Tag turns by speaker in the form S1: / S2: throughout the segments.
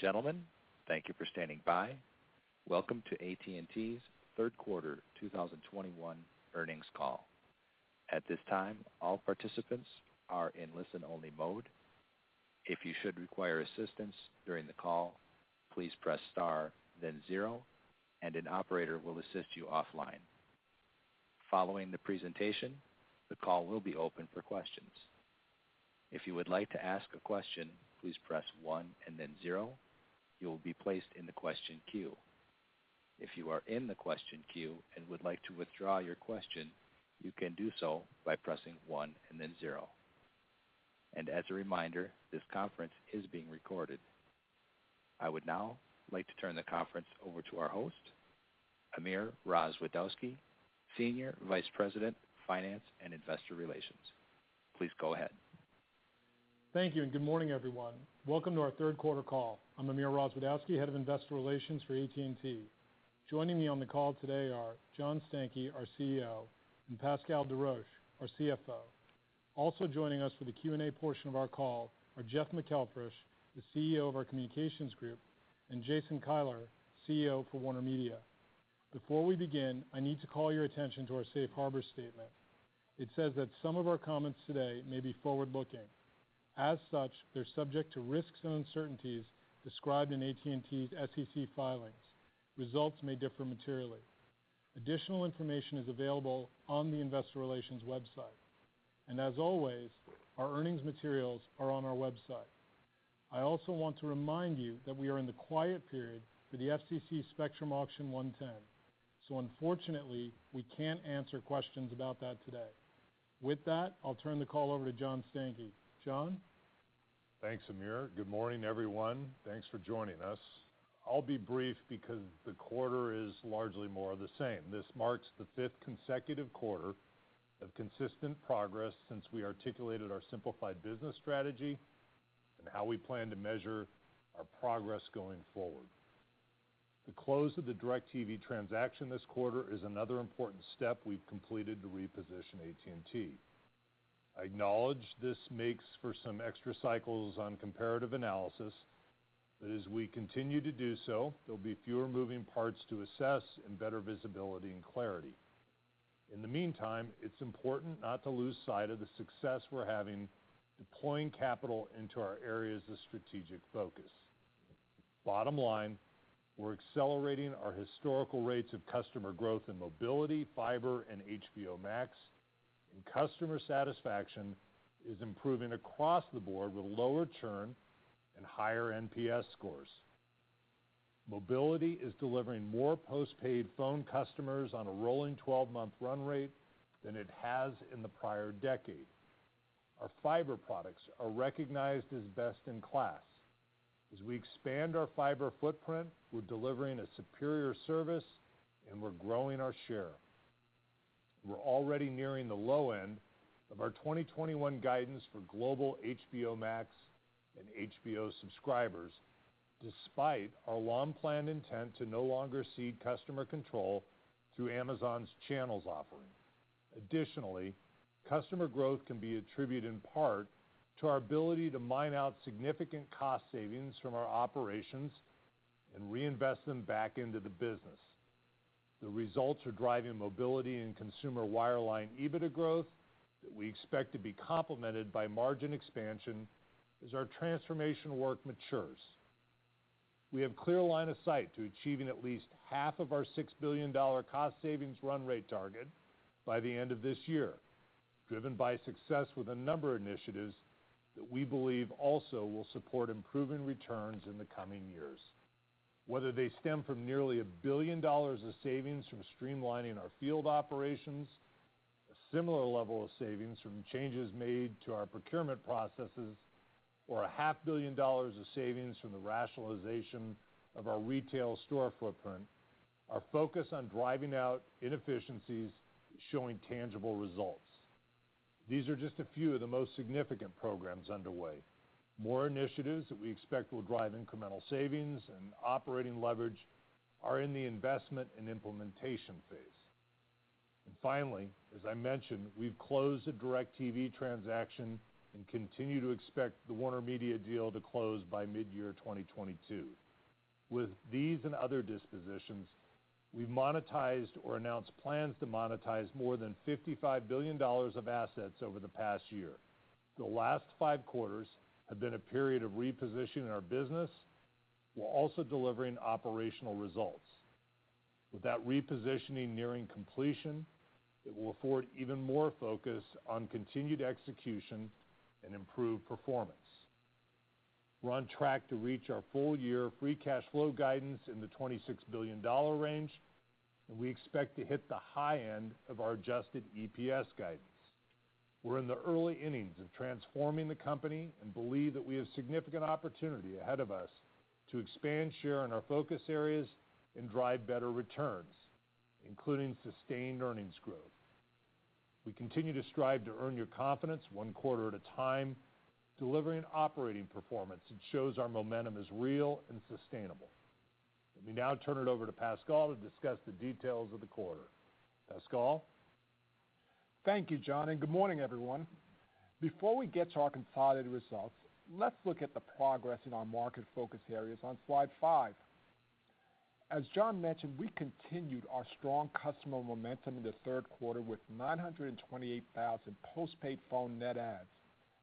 S1: Ladies and gentlemen, thank you for standing by. Welcome to AT&T's third quarter 2021 earnings call. At this time, all participants are in listen-only mode. If you should require assistance during the call, please press star then zero, and an operator will assist you offline. Following the presentation, the call will be open for questions. If you would like to ask a question, please press one and then zero, you will be placed in the question queue. If you are in the question queue and would like to withdraw your question, you can do so by pressing one and then zero. As a reminder, this conference is being recorded. I would now like to turn the conference over to our host, Amir Rozwadowski, Senior Vice President, Finance and Investor Relations. Please go ahead.
S2: Thank you, and good morning, everyone. Welcome to our third quarter call. I'm Amir Rozwadowski, Head of Investor Relations for AT&T. Joining me on the call today are John Stankey, our CEO, and Pascal Desroches, our CFO. Also joining us for the Q&A portion of our call are Jeff McElfresh, the CEO of our Communications Group, and Jason Kilar, CEO for WarnerMedia. Before we begin, I need to call your attention to our safe harbor statement. It says that some of our comments today may be forward-looking. As such, they're subject to risks and uncertainties described in AT&T's SEC filings. Results may differ materially. Additional information is available on the investor relations website. As always, our earnings materials are on our website. I also want to remind you that we are in the quiet period for the FCC Spectrum Auction 110. Unfortunately, we can't answer questions about that today. With that, I'll turn the call over to John Stankey. John?
S3: Thanks, Amir. Good morning, everyone. Thanks for joining us. I'll be brief because the quarter is largely more of the same. This marks the fifth consecutive quarter of consistent progress since we articulated our simplified business strategy and how we plan to measure our progress going forward. The close of the DIRECTV transaction this quarter is another important step we've completed to reposition AT&T. I acknowledge this makes for some extra cycles on comparative analysis, but as we continue to do so, there'll be fewer moving parts to assess and better visibility and clarity. In the meantime, it's important not to lose sight of the success we're having deploying capital into our areas of strategic focus. Bottom line, we're accelerating our historical rates of customer growth in mobility, fiber, and HBO Max, and customer satisfaction is improving across the board with lower churn and higher NPS scores. Mobility is delivering more postpaid phone customers on a rolling 12-month run rate than it has in the prior decade. Our fiber products are recognized as best in class. As we expand our fiber footprint, we're delivering a superior service, and we're growing our share. We're already nearing the low end of our 2021 guidance for global HBO Max and HBO subscribers, despite our long-planned intent to no longer cede customer control through Amazon's channels offering. Additionally, customer growth can be attributed in part to our ability to mine out significant cost savings from our operations and reinvest them back into the business. The results are driving mobility and consumer wireline EBITDA growth that we expect to be complemented by margin expansion as our transformation work matures. We have clear line of sight to achieving at least half of our $6 billion cost savings run rate target by the end of this year, driven by success with a number of initiatives that we believe also will support improving returns in the coming years. Whether they stem from nearly $1 billion of savings from streamlining our field operations, a similar level of savings from changes made to our procurement processes, or a $0.5 billion Of savings from the rationalization of our retail store footprint, our focus on driving out inefficiencies is showing tangible results. These are just a few of the most significant programs underway. More initiatives that we expect will drive incremental savings and operating leverage are in the investment and implementation phase. Finally, as I mentioned, we've closed the DIRECTV transaction and continue to expect the WarnerMedia deal to close by mid-year 2022. With these and other dispositions, we've monetized or announced plans to monetize more than $55 billion of assets over the past year. The last five quarters have been a period of repositioning our business while also delivering operational results. With that repositioning nearing completion, it will afford even more focus on continued execution and improved performance. We're on track to reach our full-year free cash flow guidance in the $26 billion range, and we expect to hit the high end of our adjusted EPS guidance. We're in the early innings of transforming the company and believe that we have significant opportunity ahead of us to expand share in our focus areas and drive better returns, including sustained earnings growth. We continue to strive to earn your confidence one quarter at a time, delivering operating performance that shows our momentum is real and sustainable. Let me now turn it over to Pascal to discuss the details of the quarter. Pascal?
S4: Thank you, John, and good morning, everyone. Before we get to our consolidated results, let's look at the progress in our market focus areas on Slide five. As John mentioned, we continued our strong customer momentum in the third quarter with 928,000 postpaid phone net adds.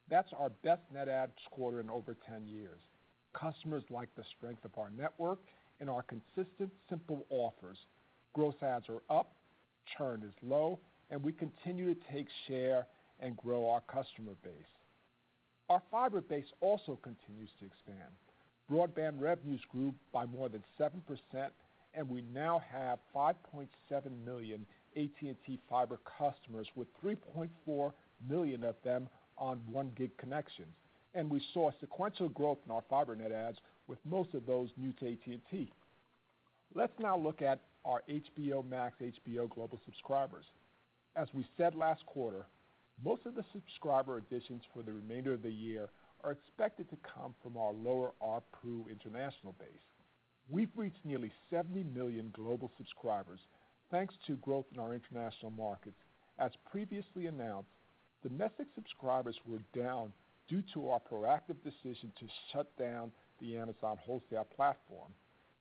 S4: That's our best net adds quarter in over 10 years. Customers like the strength of our network and our consistent, simple offers. Growth adds are up, churn is low, and we continue to take share and grow our customer base. Our fiber base also continues to expand. Broadband revenues grew by more than 7%, and we now have 5.7 million AT&T Fiber customers, with 3.4 million of them on 1 Gig connection. We saw sequential growth in our fiber net adds, with most of those new to AT&T. Let's now look at our HBO Max/HBO global subscribers. As we said last quarter, most of the subscriber additions for the remainder of the year are expected to come from our lower ARPU international base. We've reached nearly 70 million global subscribers, thanks to growth in our international markets. As previously announced, domestic subscribers were down due to our proactive decision to shut down the Amazon wholesale platform.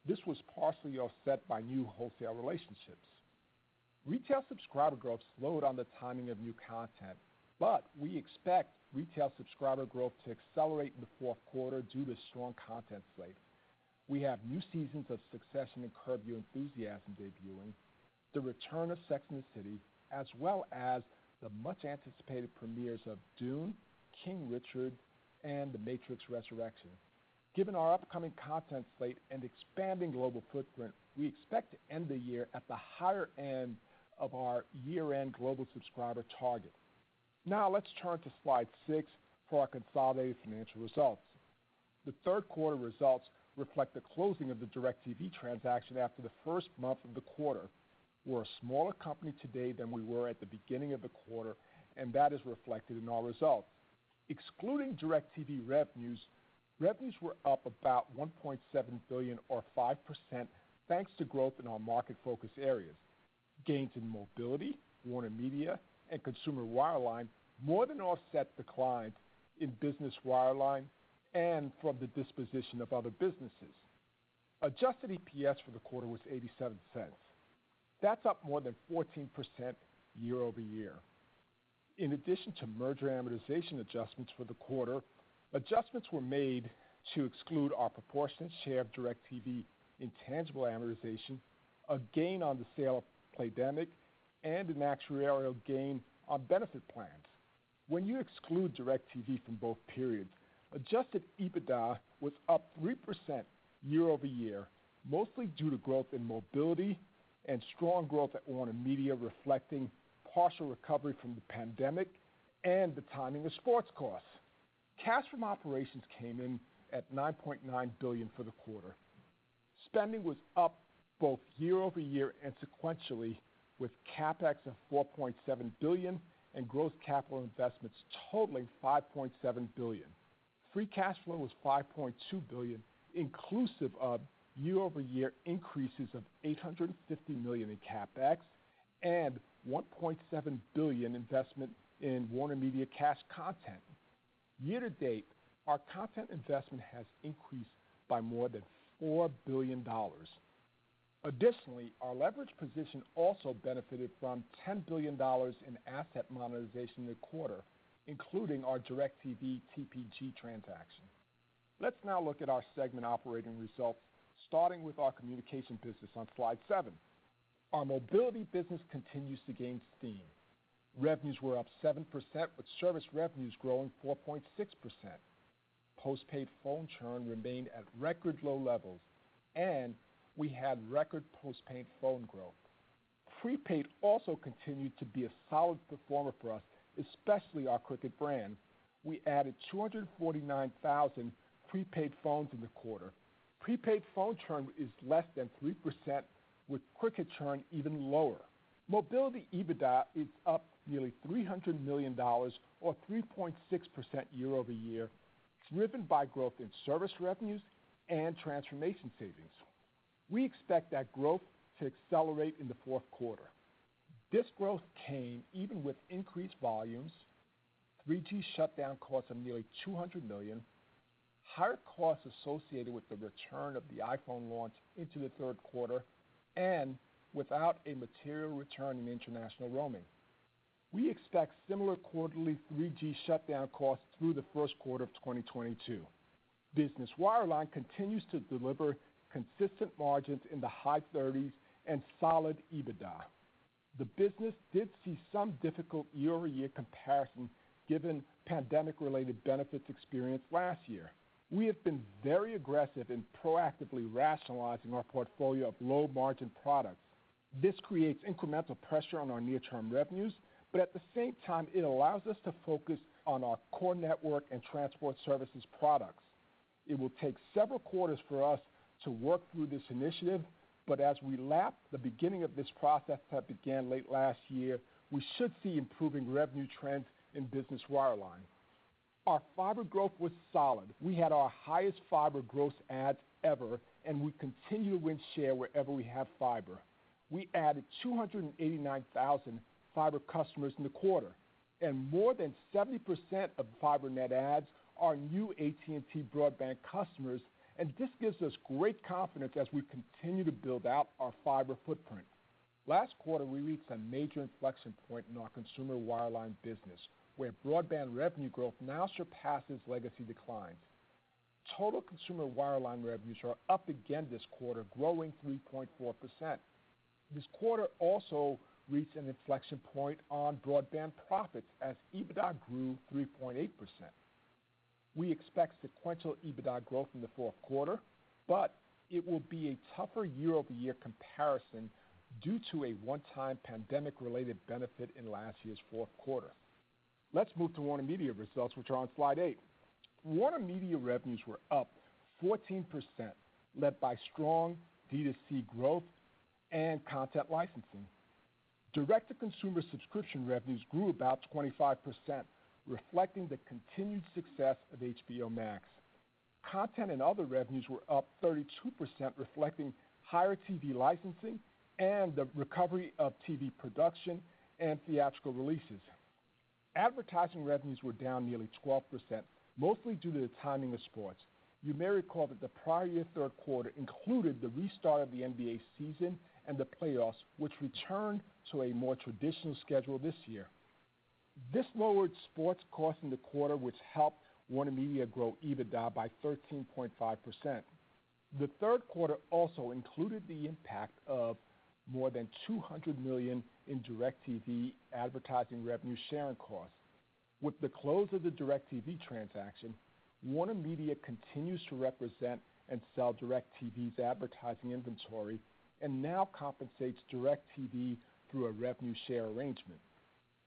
S4: This was partially offset by new wholesale relationships. Retail subscriber growth slowed on the timing of new content, but we expect retail subscriber growth to accelerate in the fourth quarter due to strong content slates. We have new seasons of "Succession" and "Curb Your Enthusiasm" debuting, the return of "Sex and the City," as well as the much-anticipated premieres of "Dune," "King Richard," and "The Matrix Resurrections." Given our upcoming content slate and expanding global footprint, we expect to end the year at the higher end of our year-end global subscriber target. Let's turn to Slide six for our consolidated financial results. The third quarter results reflect the closing of the DIRECTV transaction after the first month of the quarter. We're a smaller company today than we were at the beginning of the quarter, and that is reflected in our results. Excluding DIRECTV revenues were up about $1.7 billion, or 5%, thanks to growth in our market focus areas. Gains in mobility, WarnerMedia, and consumer wireline more than offset declines in business wireline and from the disposition of other businesses. Adjusted EPS for the quarter was $0.87. That's up more than 14% year-over-year. In addition to merger amortization adjustments for the quarter, adjustments were made to exclude our proportionate share of DIRECTV intangible amortization, a gain on the sale of Playdemic, and an actuarial gain on benefit plans. When you exclude DIRECTV from both periods, adjusted EBITDA was up 3% year-over-year, mostly due to growth in mobility and strong growth at WarnerMedia, reflecting partial recovery from the pandemic and the timing of sports costs. Cash from operations came in at $9.9 billion for the quarter. Spending was up both year-over-year and sequentially, with CapEx of $4.7 billion and gross capital investments totaling $5.7 billion. Free cash flow was $5.2 billion, inclusive of year-over-year increases of $850 million in CapEx and $1.7 billion investment in WarnerMedia cash content. Year-to-date, our content investment has increased by more than $4 billion. Additionally, our leverage position also benefited from $10 billion in asset monetization in the quarter, including our DIRECTV TPG transaction. Let's now look at our segment operating results, starting with our communication business on Slide seven. Our mobility business continues to gain steam. Revenues were up 7%, with service revenues growing 4.6%. Postpaid phone churn remained at record low levels, and we had record postpaid phone growth. Prepaid also continued to be a solid performer for us, especially our Cricket. We added 249,000 prepaid phones in the quarter. Prepaid phone churn is less than 3%, with Cricket churn even lower. Mobility EBITDA is up nearly $300 million, or 3.6% year-over-year, driven by growth in service revenues and transformation savings. We expect that growth to accelerate in the fourth quarter. This growth came even with increased volumes, 3G shutdown costs of nearly $200 million, higher costs associated with the return of the iPhone launch into the third quarter, and without a material return in international roaming. We expect similar quarterly 3G shutdown costs through the first quarter of 2022. Business wireline continues to deliver consistent margins in the high 30s and solid EBITDA. The business did see some difficult year-over-year comparisons given pandemic-related benefits experienced last year. We have been very aggressive in proactively rationalizing our portfolio of low-margin products. This creates incremental pressure on our near-term revenues, but at the same time, it allows us to focus on our core network and transport services products. It will take several quarters for us to work through this initiative, but as we lap the beginning of this process that began late last year, we should see improving revenue trends in business wireline. Our fiber growth was solid. We had our highest fiber growth adds ever, and we continue to win share wherever we have fiber. We added 289,000 fiber customers in the quarter, and more than 70% of fiber net adds are new AT&T Broadband customers, and this gives us great confidence as we continue to build out our fiber footprint. Last quarter, we reached a major inflection point in our consumer wireline business, where broadband revenue growth now surpasses legacy decline. Total consumer wireline revenues are up again this quarter, growing 3.4%. This quarter also reached an inflection point on broadband profits, as EBITDA grew 3.8%. We expect sequential EBITDA growth in the fourth quarter, but it will be a tougher year-over-year comparison due to a one-time pandemic-related benefit in last year's fourth quarter. Let's move to WarnerMedia results, which are on Slide eight. WarnerMedia revenues were up 14%, led by strong D2C growth and content licensing. Direct-to-consumer subscription revenues grew about 25%, reflecting the continued success of HBO Max. Content and other revenues were up 32%, reflecting higher TV licensing and the recovery of TV production and theatrical releases. Advertising revenues were down nearly 12%, mostly due to the timing of sports. You may recall that the prior year third quarter included the restart of the NBA season and the playoffs, which return to a more traditional schedule this year. This lowered sports costs in the quarter, which helped WarnerMedia grow EBITDA by 13.5%. The third quarter also included the impact of more than $200 million in DIRECTV advertising revenue sharing costs. With the close of the DIRECTV transaction, WarnerMedia continues to represent and sell DIRECTV's advertising inventory and now compensates DIRECTV through a revenue share arrangement.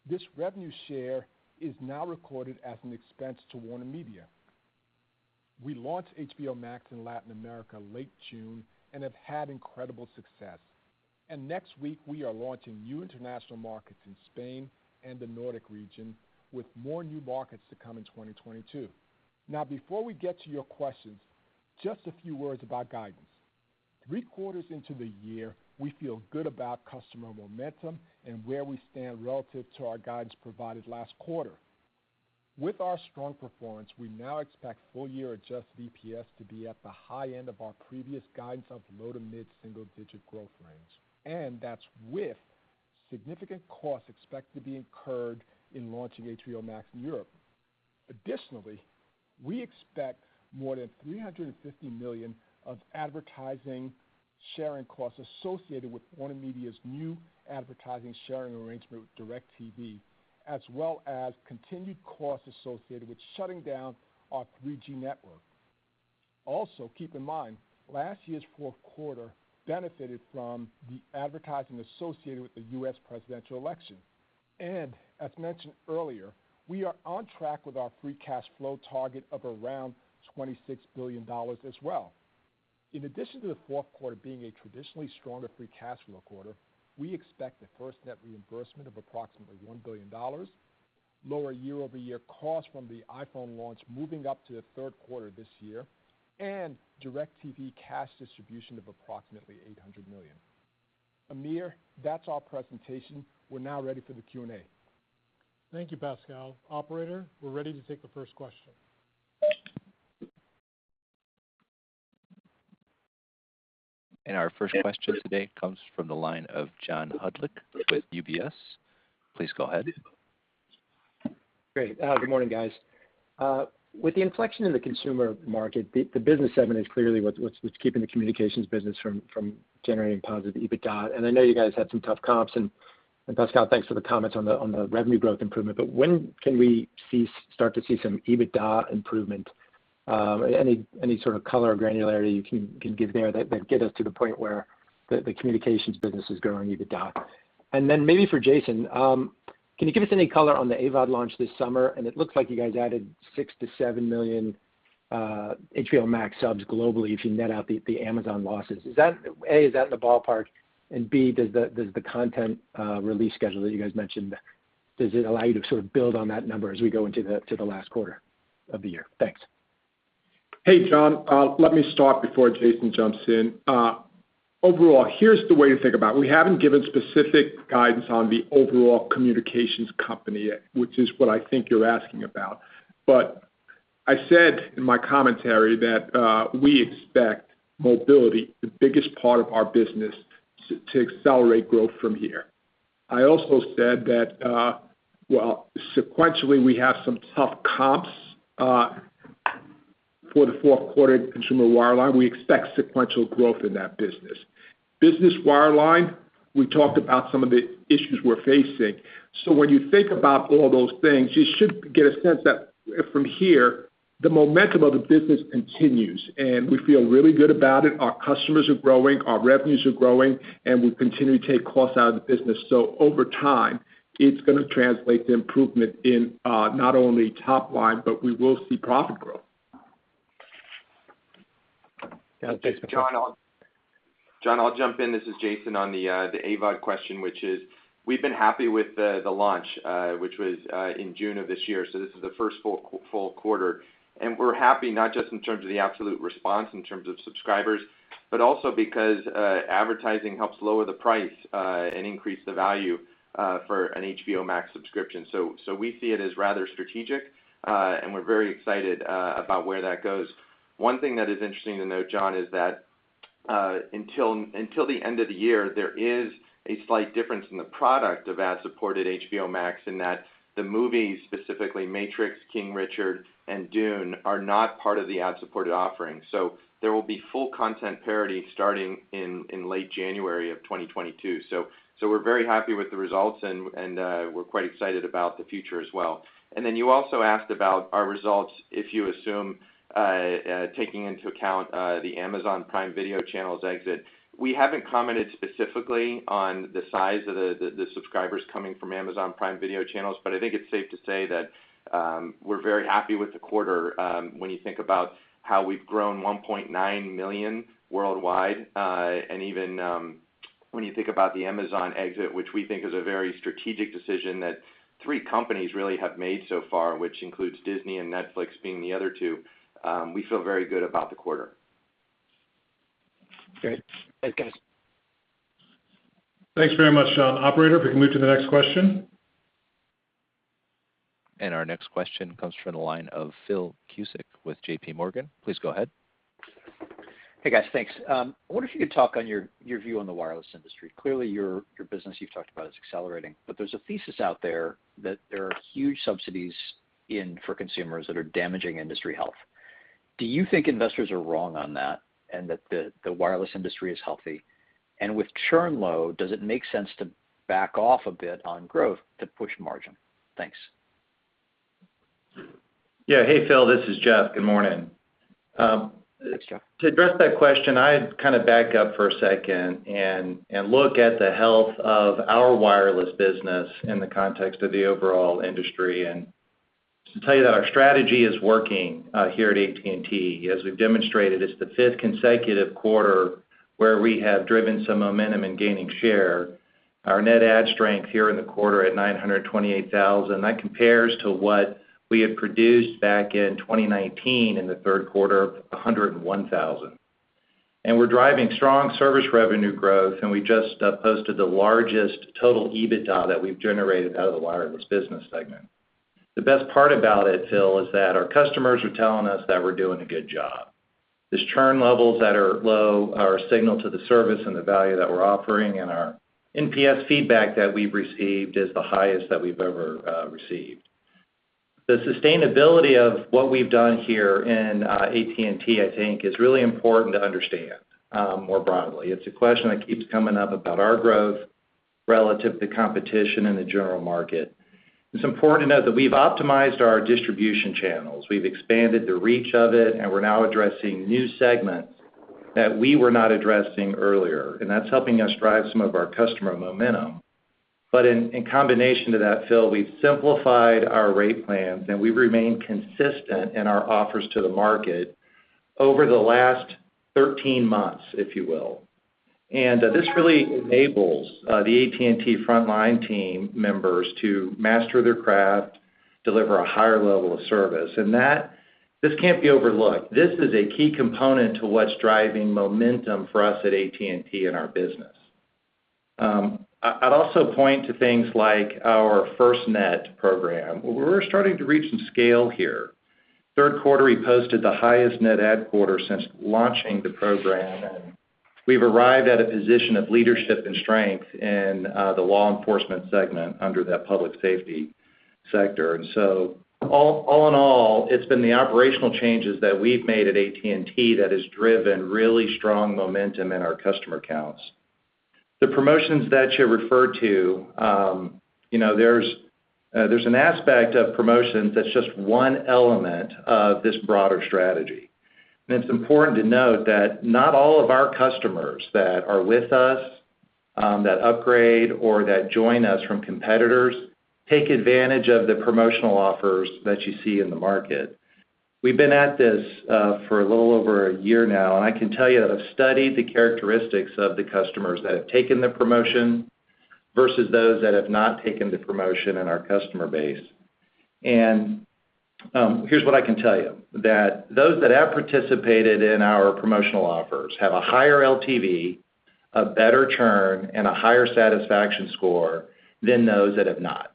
S4: This revenue share is now recorded as an expense to WarnerMedia. We launched HBO Max in Latin America late June and have had incredible success. Next week, we are launching new international markets in Spain and the Nordic region, with more new markets to come in 2022. Before we get to your questions, just a few words about guidance. Three quarters into the year, we feel good about customer momentum and where we stand relative to our guidance provided last quarter. With our strong performance, we now expect full-year adjusted EPS to be at the high end of our previous guidance of low to mid-single digit growth range. That's with significant costs expected to be incurred in launching HBO Max in Europe. Additionally, we expect more than $350 million of advertising sharing costs associated with WarnerMedia's new advertising sharing arrangement with DIRECTV, as well as continued costs associated with shutting down our 3G network. Keep in mind, last year's fourth quarter benefited from the advertising associated with the U.S. presidential election. As mentioned earlier, we are on track with our free cash flow target of around $26 billion as well. In addition to the fourth quarter being a traditionally stronger free cash flow quarter, we expect a FirstNet reimbursement of approximately $1 billion, lower year-over-year costs from the iPhone launch moving up to the third quarter this year, and DIRECTV cash distribution of approximately $800 million. Amir, that's our presentation. We're now ready for the Q&A.
S2: Thank you, Pascal. Operator, we're ready to take the first question.
S1: Our first question today comes from the line of John Hodulik with UBS. Please go ahead.
S5: Great. Good morning, guys. With the inflection in the consumer market, the business segment is clearly what's keeping the communications business from generating positive EBITDA. I know you guys had some tough comps and, Pascal, thanks for the comments on the revenue growth improvement. When can we start to see some EBITDA improvement? Any sort of color or granularity you can give there that can get us to the point where the communications business is growing EBITDA? Then maybe for Jason, can you give us any color on the AVOD launch this summer? It looks like you guys added 6 million-7 million HBO Max subs globally if you net out the Amazon losses. Is that in the ballpark? B, does the content release schedule that you guys mentioned, does it allow you to sort of build on that number as we go into the last quarter of the year? Thanks.
S3: Hey, John, let me start before Jason jumps in. Overall, here's the way to think about it. We haven't given specific guidance on the overall communications company yet, which is what I think you're asking about. I said in my commentary that we expect mobility, the biggest part of our business, to accelerate growth from here. I also said that, while sequentially we have some tough comps for the fourth quarter consumer wireline, we expect sequential growth in that business. Business wireline, we talked about some of the issues we're facing. When you think about all those things, you should get a sense that from here, the momentum of the business continues, and we feel really good about it. Our customers are growing, our revenues are growing, and we continue to take costs out of the business. Over time, it's going to translate to improvement in not only top line, but we will see profit growth.
S6: John, I'll jump in. This is Jason on the AVOD question, which is we've been happy with the launch, which was in June of this year. This is the first full quarter. We're happy not just in terms of the absolute response in terms of subscribers, but also because advertising helps lower the price and increase the value for an HBO Max subscription. We see it as rather strategic, and we're very excited about where that goes. One thing that is interesting to note, John, is that until the end of the year, there is a slight difference in the product of ad-supported HBO Max in that the movies, specifically "Matrix," "King Richard," and "Dune" are not part of the ad-supported offering. There will be full content parity starting in late January of 2022. We're very happy with the results, and we're quite excited about the future as well. You also asked about our results if you assume taking into account the Amazon Prime Video Channels exit. We haven't commented specifically on the size of the subscribers coming from Amazon Prime Video Channels, but I think it's safe to say that we're very happy with the quarter when you think about how we've grown 1.9 million worldwide. Even when you think about the Amazon exit, which we think is a very strategic decision that three companies really have made so far, which includes Disney and Netflix being the other two, we feel very good about the quarter.
S5: Great. Thanks, guys.
S2: Thanks very much, John. Operator, if we can move to the next question.
S1: Our next question comes from the line of Phil Cusick with JPMorgan. Please go ahead.
S7: Hey, guys. Thanks. I wonder if you could talk on your view on the wireless industry. Clearly, your business you've talked about is accelerating. There's a thesis out there that there are huge subsidies in for consumers that are damaging industry health. Do you think investors are wrong on that, and that the wireless industry is healthy? With churn low, does it make sense to back off a bit on growth to push margin? Thanks.
S8: Yeah. Hey, Phil. This is Jeff. Good morning.
S7: Thanks, Jeff.
S8: To address that question, I'd kind of back up for a second and look at the health of our wireless business in the context of the overall industry. To tell you that our strategy is working here at AT&T. As we've demonstrated, it's the fifth consecutive quarter where we have driven some momentum in gaining share. Our net add strength here in the quarter at 928,000. That compares to what we had produced back in 2019 in the third quarter of 101,000. We're driving strong service revenue growth, and we just posted the largest total EBITDA that we've generated out of the wireless business segment. The best part about it, Phil, is that our customers are telling us that we're doing a good job. These churn levels that are low are a signal to the service and the value that we're offering, and our NPS feedback that we've received is the highest that we've ever received. The sustainability of what we've done here in AT&T, I think, is really important to understand more broadly. It's a question that keeps coming up about our growth relative to competition in the general market. It's important to note that we've optimized our distribution channels. We've expanded the reach of it, and we're now addressing new segments that we were not addressing earlier, and that's helping us drive some of our customer momentum. In combination to that, Phil, we've simplified our rate plans, and we've remained consistent in our offers to the market over the last 13 months, if you will. This really enables the AT&T frontline team members to master their craft, deliver a higher level of service, and this can't be overlooked. This is a key component to what's driving momentum for us at AT&T in our business. I'd also point to things like our FirstNet program, where we're starting to reach some scale here. Third quarter, we posted the highest net add quarter since launching the program, and we've arrived at a position of leadership and strength in the law enforcement segment under that public safety sector. All in all, it's been the operational changes that we've made at AT&T that has driven really strong momentum in our customer counts. The promotions that you referred to, there's an aspect of promotions that's just one element of this broader strategy. It's important to note that not all of our customers that are with us, that upgrade or that join us from competitors take advantage of the promotional offers that you see in the market. We've been at this for a little over a year now, and I can tell you that I've studied the characteristics of the customers that have taken the promotion versus those that have not taken the promotion in our customer base. Here's what I can tell you, that those that have participated in our promotional offers have a higher LTV, a better churn, and a higher satisfaction score than those that have not.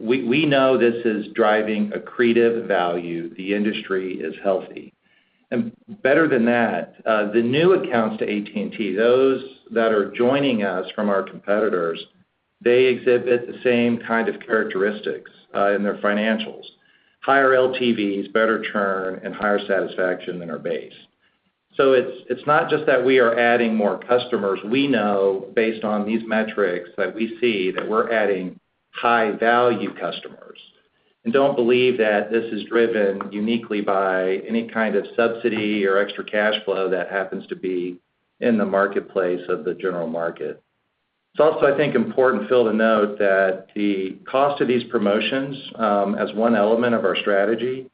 S8: We know this is driving accretive value. The industry is healthy. Better than that, the new accounts to AT&T, those that are joining us from our competitors, they exhibit the same kind of characteristics in their financials, higher LTVs, better churn, and higher satisfaction than our base. It's not just that we are adding more customers. We know based on these metrics that we see that we're adding high-value customers, and don't believe that this is driven uniquely by any kind of subsidy or extra cash flow that happens to be in the marketplace of the general market. It's also, I think, important, Phil, to note that the cost of these promotions, as one element of our strategy,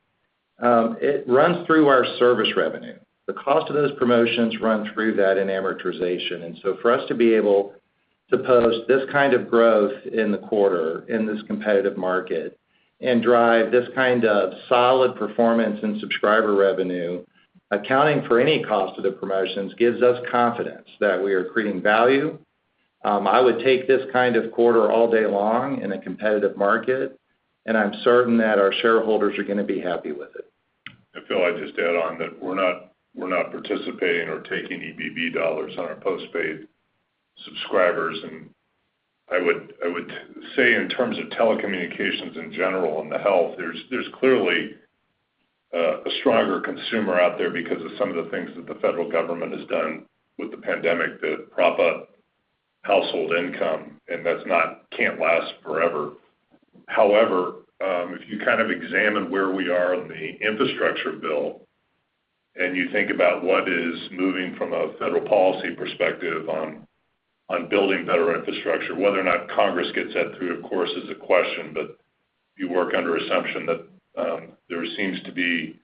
S8: it runs through our service revenue. The cost of those promotions run through that in amortization. For us to be able to post this kind of growth in the quarter in this competitive market and drive this kind of solid performance in subscriber revenue, accounting for any cost of the promotions, gives us confidence that we are creating value. I would take this kind of quarter all day long in a competitive market, and I'm certain that our shareholders are going to be happy with it.
S3: Phil, I'd just add on that we're not participating or taking EBB dollars on our postpaid subscribers. I would say in terms of telecommunications in general and the health, there's clearly a stronger consumer out there because of some of the things that the federal government has done with the pandemic to prop up household income, and that can't last forever. However, if you examine where we are on the infrastructure bill and you think about what is moving from a federal policy perspective on building better infrastructure, whether or not Congress gets that through, of course, is a question. You work under assumption that there seems to be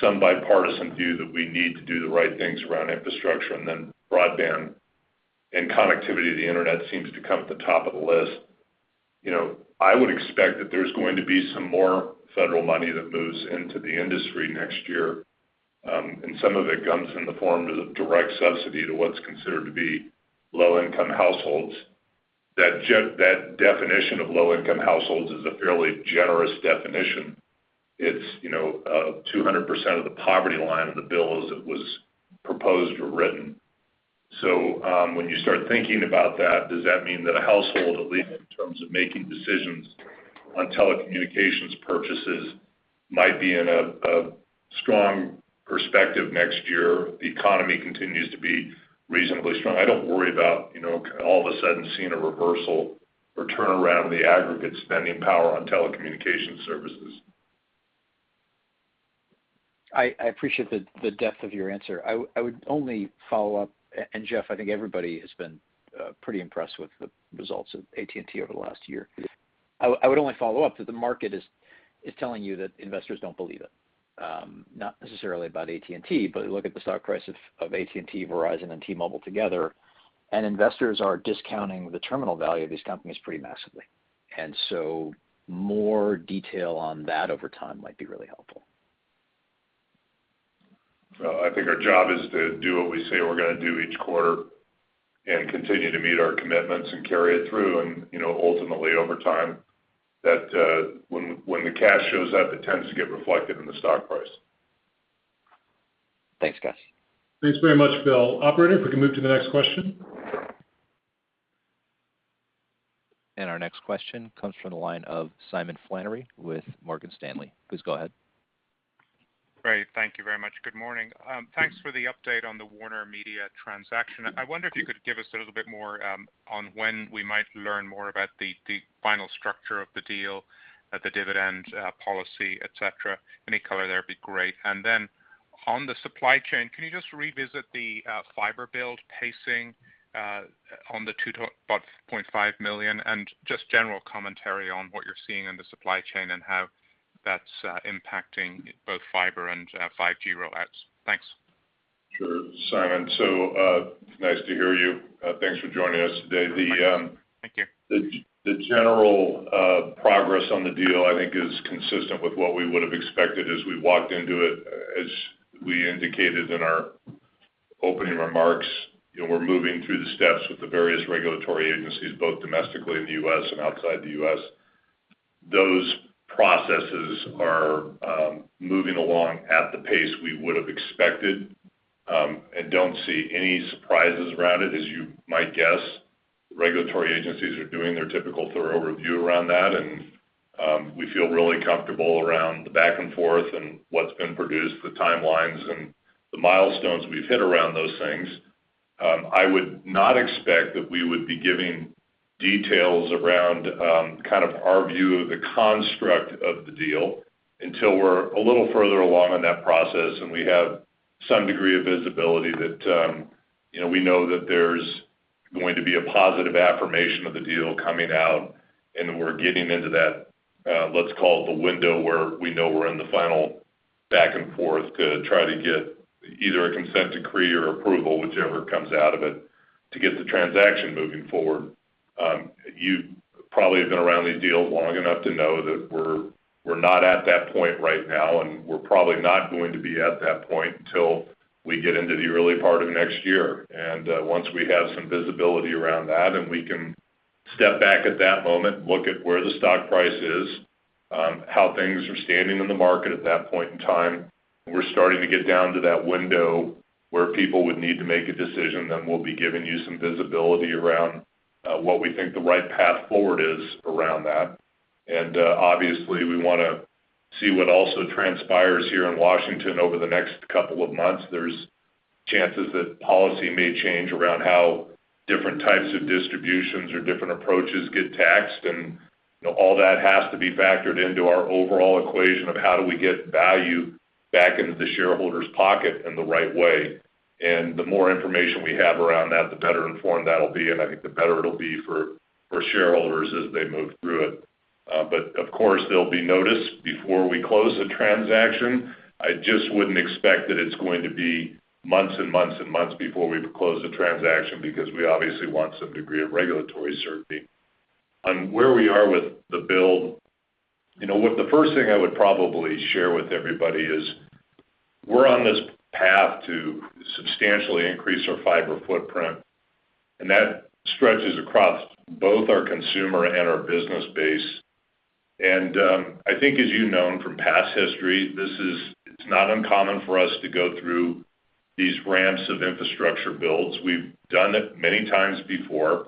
S3: some bipartisan view that we need to do the right things around infrastructure and then broadband and connectivity to the internet seems to come at the top of the list. I would expect that there's going to be some more federal money that moves into the industry next year, and some of it comes in the form of direct subsidy to what's considered to be low-income households. That definition of low-income households is a fairly generous definition. It's 200% of the poverty line in the bill as it was proposed or written. When you start thinking about that, does that mean that a household, at least in terms of making decisions on telecommunications purchases, might be in a strong perspective next year? The economy continues to be reasonably strong. I don't worry about all of a sudden seeing a reversal or turnaround in the aggregate spending power on telecommunications services.
S7: I appreciate the depth of your answer. I would only follow-up, Jeff, I think everybody has been pretty impressed with the results of AT&T over the last year. I would only follow-up that the market is telling you that investors don't believe it. Not necessarily about AT&T, but look at the stock price of AT&T, Verizon, and T-Mobile together, investors are discounting the terminal value of these companies pretty massively. More detail on that over time might be really helpful.
S3: Well, I think our job is to do what we say we're going to do each quarter and continue to meet our commitments and carry it through. Ultimately, over time, when the cash shows up, it tends to get reflected in the stock price.
S7: Thanks, guys.
S2: Thanks very much, Phil Cusick. Operator, if we can move to the next question.
S1: Our next question comes from the line of Simon Flannery with Morgan Stanley. Please go ahead.
S9: Great. Thank you very much. Good morning. Thanks for the update on the WarnerMedia transaction. I wonder if you could give us a little bit more on when we might learn more about the final structure of the deal, the dividend policy, et cetera. Any color there would be great. On the supply chain, can you just revisit the fiber build pacing on the 2.5 million and just general commentary on what you're seeing in the supply chain and how that's impacting both fiber and 5G rollouts? Thanks.
S3: Sure, Simon. Nice to hear you. Thanks for joining us today.
S9: Thank you.
S3: The general progress on the deal, I think, is consistent with what we would have expected as we walked into it. As we indicated in our opening remarks, we're moving through the steps with the various regulatory agencies, both domestically in the U.S. and outside the U.S. Those processes are moving along at the pace we would have expected, and don't see any surprises around it. As you might guess, regulatory agencies are doing their typical thorough review around that, and we feel really comfortable around the back and forth and what's been produced, the timelines and the milestones we've hit around those things. I would not expect that we would be giving details around our view of the construct of the deal until we're a little further along in that process and we have some degree of visibility that we know that there's going to be a positive affirmation of the deal coming out, and we're getting into that, let's call it the window where we know we're in the final back and forth to try to get either a consent decree or approval, whichever comes out of it, to get the transaction moving forward. You probably have been around these deals long enough to know that we're not at that point right now, and we're probably not going to be at that point till we get into the early part of next year. Once we have some visibility around that and we can step back at that moment, look at where the stock price is, how things are standing in the market at that point in time, and we're starting to get down to that window where people would need to make a decision, then we'll be giving you some visibility around what we think the right path forward is around that. Obviously, we want to see what also transpires here in Washington over the next couple of months. There's chances that policy may change around how different types of distributions or different approaches get taxed, and all that has to be factored into our overall equation of how do we get value back into the shareholder's pocket in the right way. The more information we have around that, the better informed that'll be, and I think the better it'll be for shareholders as they move through it. Of course, there'll be notice before we close the transaction. I just wouldn't expect that it's going to be months and months and months before we close the transaction, because we obviously want some degree of regulatory certainty. On where we are with the build, the first thing I would probably share with everybody is we're on this path to substantially increase our fiber footprint, and that stretches across both our consumer and our business base. I think as you've known from past history, it's not uncommon for us to go through these ramps of infrastructure builds. We've done it many times before.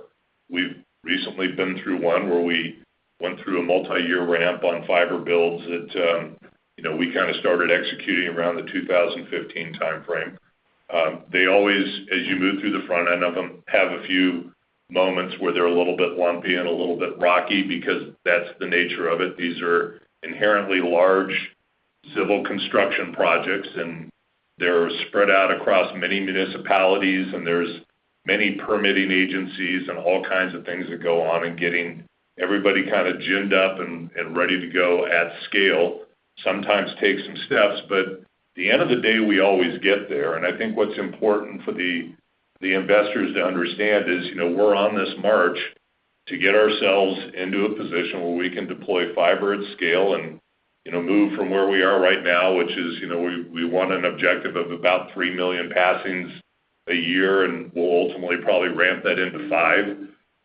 S3: We've recently been through one where we went through a multi-year ramp on fiber builds that we started executing around the 2015 timeframe. They always, as you move through the front end of them, have a few moments where they're a little bit lumpy and a little bit rocky because that's the nature of it. These are inherently large civil construction projects, and they're spread out across many municipalities, and there's many permitting agencies and all kinds of things that go on in getting everybody ginned up and ready to go at scale. Sometimes takes some steps, but at the end of the day, we always get there. I think what's important for the investors to understand is, we're on this march to get ourselves into a position where we can deploy fiber at scale and move from where we are right now, which is, we want an objective of about three million passings a year, and we'll ultimately probably ramp that into five.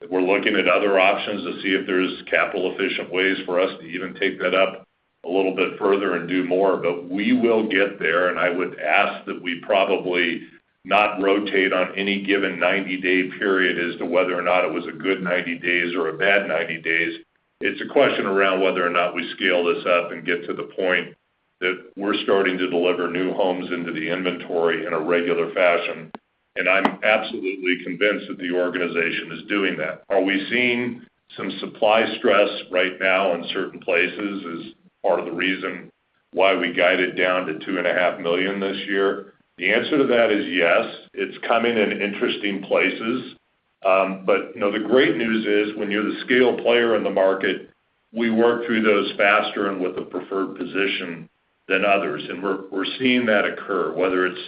S3: We're looking at other options to see if there's capital-efficient ways for us to even take that up a little bit further and do more. We will get there, and I would ask that we probably not rotate on any given 90-day period as to whether or not it was a good 90 days or a bad 90 days. It's a question around whether or not we scale this up and get to the point that we're starting to deliver new homes into the inventory in a regular fashion. I'm absolutely convinced that the organization is doing that. Are we seeing some supply stress right now in certain places is part of the reason why we guided down to 2.5 million this year? The answer to that is yes. It's coming in interesting places. The great news is, when you're the scale player in the market, we work through those faster and with a preferred position than others. We're seeing that occur, whether it's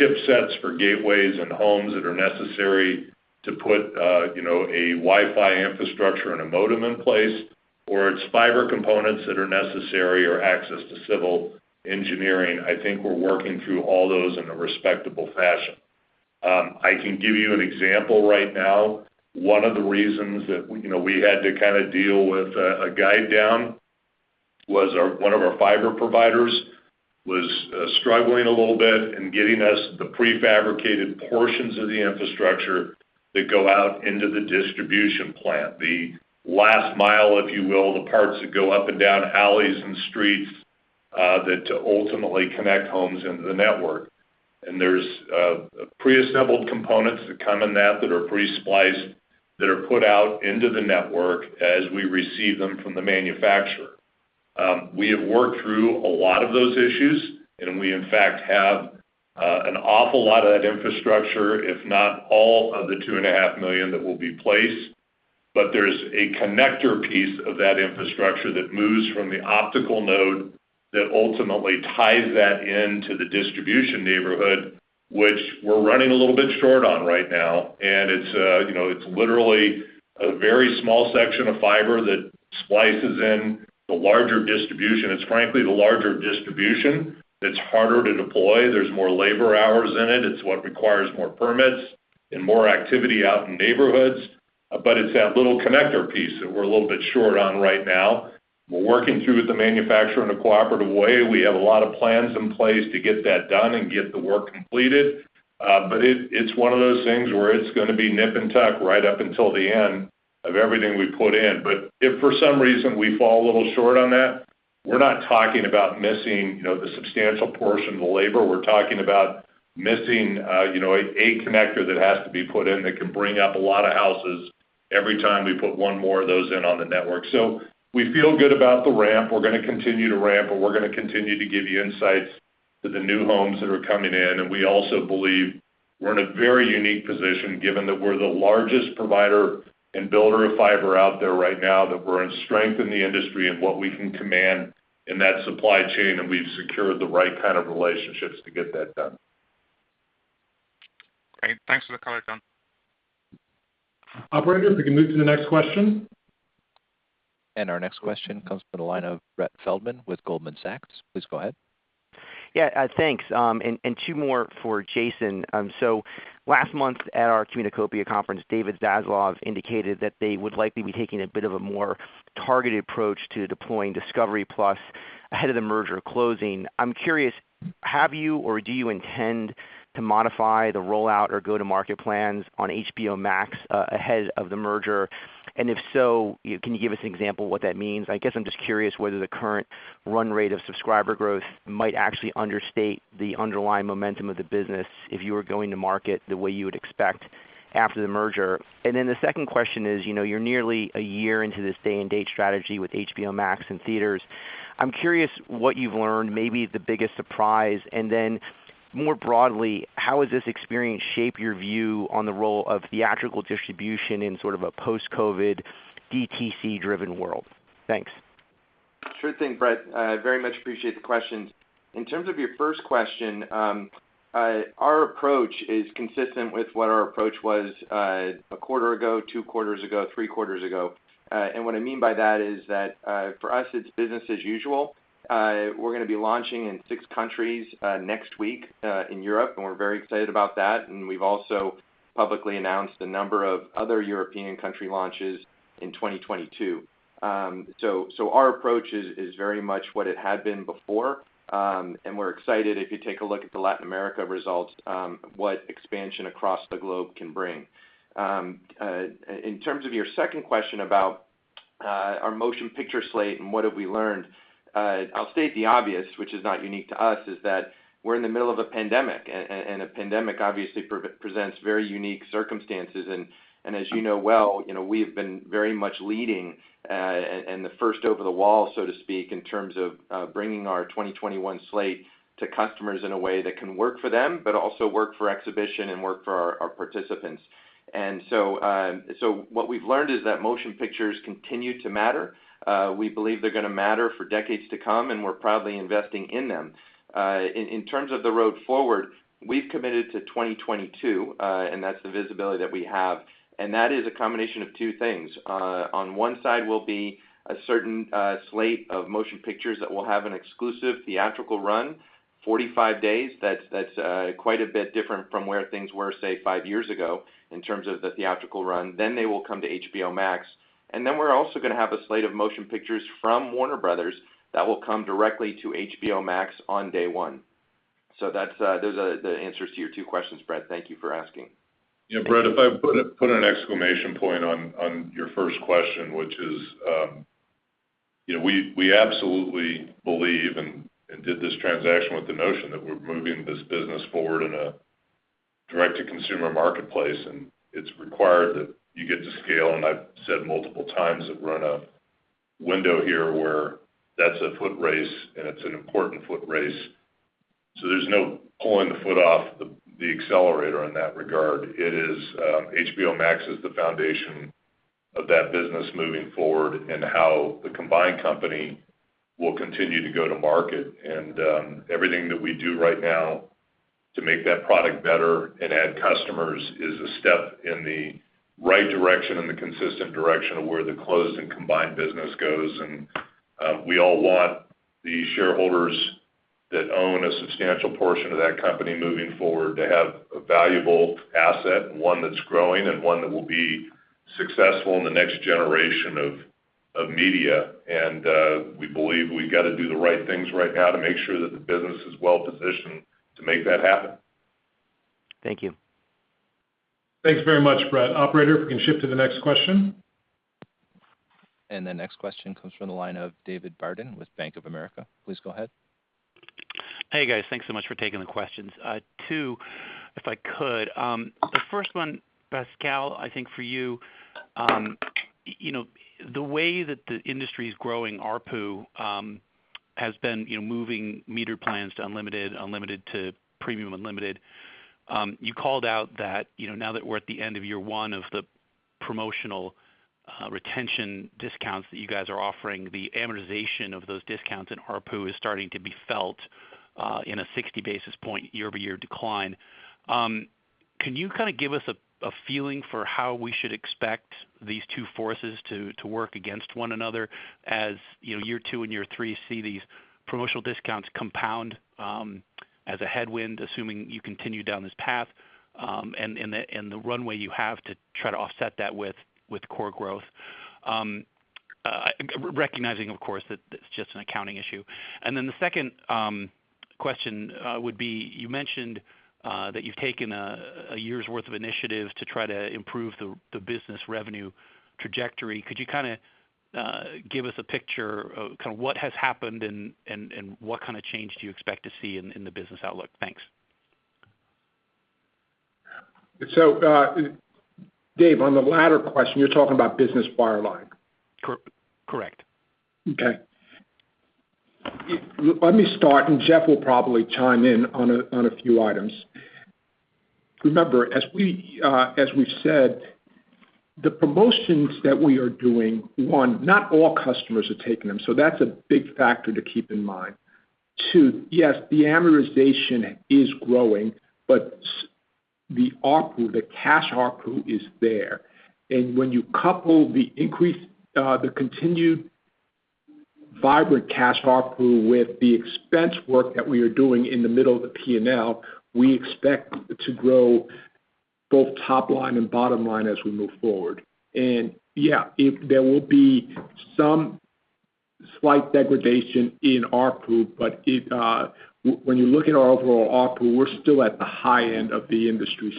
S3: chipsets for gateways and homes that are necessary to put a Wi-Fi infrastructure and a modem in place, or it's fiber components that are necessary or access to civil engineering. I think we're working through all those in a respectable fashion. I can give you an example right now. One of the reasons that we had to deal with a guide down was one of our fiber providers was struggling a little bit in getting us the prefabricated portions of the infrastructure that go out into the distribution plant. The last mile, if you will, the parts that go up and down alleys and streets that ultimately connect homes into the network. There's preassembled components that come in that are pre-spliced, that are put out into the network as we receive them from the manufacturer. We have worked through a lot of those issues, and we in fact have an awful lot of that infrastructure, if not all of the 2.5 million that will be placed. There's a connector piece of that infrastructure that moves from the optical node that ultimately ties that into the distribution neighborhood, which we're running a little bit short on right now, and it's literally a very small section of fiber that splices in the larger distribution. It's frankly the larger distribution that's harder to deploy. There's more labor hours in it. It's what requires more permits and more activity out in neighborhoods. It's that little connector piece that we're a little bit short on right now. We're working through with the manufacturer in a cooperative way. We have a lot of plans in place to get that done and get the work completed. It's one of those things where it's going to be nip and tuck right up until the end of everything we put in. If for some reason we fall a little short on that, we're not talking about missing the substantial portion of the labor. We're talking about missing a connector that has to be put in that can bring up a lot of houses every time we put one more of those in on the network. We feel good about the ramp. We're going to continue to ramp, and we're going to continue to give you insights to the new homes that are coming in. We also believe we're in a very unique position, given that we're the largest provider and builder of fiber out there right now, that we're in strength in the industry and what we can command in that supply chain, and we've secured the right kind of relationships to get that done.
S9: Great. Thanks for the color, John.
S2: Operator, if we can move to the next question.
S1: Our next question comes from the line of Brett Feldman with Goldman Sachs. Please go ahead.
S10: Yeah, thanks. Two more for Jason. Last month at our Communacopia conference, David Zaslav indicated that they would likely be taking a bit of a more targeted approach to deploying Discovery+ ahead of the merger closing. I'm curious, have you or do you intend to modify the rollout or go-to-market plans on HBO Max ahead of the merger? And if so, can you give us an example of what that means? I guess I'm just curious whether the current run rate of subscriber growth might actually understate the underlying momentum of the business if you were going to market the way you would expect after the merger. Then the second question is, you're nearly one year into this day-and-date strategy with HBO Max and theaters. I'm curious what you've learned, maybe the biggest surprise, and then more broadly, how has this experience shaped your view on the role of theatrical distribution in sort of a post-COVID, DTC-driven world? Thanks.
S6: Sure thing, Brett. I very much appreciate the questions. In terms of your first question, our approach is consistent with what our approach was a quarter ago, two quarters ago, three quarters ago. What I mean by that is that, for us, it's business as usual. We're going to be launching in six countries next week in Europe, and we're very excited about that, and we've also publicly announced a number of other European country launches in 2022. Our approach is very much what it had been before. We're excited, if you take a look at the Latin America results, what expansion across the globe can bring. In terms of your second question about our motion picture slate and what have we learned, I'll state the obvious, which is not unique to us, is that we're in the middle of a pandemic, and a pandemic obviously presents very unique circumstances. As you know well, we have been very much leading and the first over the wall, so to speak, in terms of bringing our 2021 slate to customers in a way that can work for them, but also work for exhibition and work for our participants. What we've learned is that motion pictures continue to matter. We believe they're going to matter for decades to come, and we're proudly investing in them. In terms of the road forward, we've committed to 2022. That's the visibility that we have, and that is a combination of two things. On one side will be a certain slate of motion pictures that will have an exclusive theatrical run, 45 days. That's quite a bit different from where things were, say, five years ago in terms of the theatrical run. They will come to HBO Max. We're also going to have a slate of motion pictures from Warner Bros. that will come directly to HBO Max on day one. Those are the answers to your two questions, Brett. Thank you for asking.
S3: Yeah, Brett, if I put an exclamation point on your first question, which is we absolutely believe and did this transaction with the notion that we're moving this business forward in a direct-to-consumer marketplace, and it's required that you get to scale, and I've said multiple times that we're in a window here where that's a foot race, and it's an important foot race. There's no pulling the foot off the accelerator in that regard. HBO Max is the foundation of that business moving forward and how the combined company will continue to go-to-market. Everything that we do right now to make that product better and add customers is a step in the right direction and the consistent direction of where the closed and combined business goes. We all want the shareholders that own a substantial portion of that company moving forward to have a valuable asset, and one that's growing and one that will be successful in the next generation of media. We believe we've got to do the right things right now to make sure that the business is well-positioned to make that happen.
S10: Thank you.
S2: Thanks very much, Brett. Operator, if we can shift to the next question.
S1: The next question comes from the line of David Barden with Bank of America. Please go ahead.
S11: Hey, guys. Thanks so much for taking the questions. Two, if I could. The first one, Pascal, I think for you. The way that the industry's growing ARPU has been moving meter plans to unlimited to premium unlimited. You called out that now that we're at the end of year one of the promotional retention discounts that you guys are offering, the amortization of those discounts in ARPU is starting to be felt in a 60 basis point year-over-year decline. Can you kind of give us a feeling for how we should expect these two forces to work against one another as year two and year three see these promotional discounts compound as a headwind, assuming you continue down this path, and the runway you have to try to offset that with core growth? Recognizing, of course, that that's just an accounting issue. The second question would be, you mentioned that you've taken a year's worth of initiatives to try to improve the business revenue trajectory. Could you give us a picture of what has happened and what kind of change do you expect to see in the business outlook? Thanks.
S4: Dave, on the latter question, you're talking about business wireline.
S11: Correct.
S4: Let me start, Jeff will probably chime in on a few items. Remember, as we've said, the promotions that we are doing, one, not all customers are taking them. That's a big factor to keep in mind. Two, yes, the amortization is growing, the cash ARPU is there. When you couple the continued vibrant cash ARPU with the expense work that we are doing in the middle of the P&L, we expect to grow both top line and bottom line as we move forward. Yeah, there will be some slight degradation in ARPU, when you look at our overall ARPU, we're still at the high end of the industry.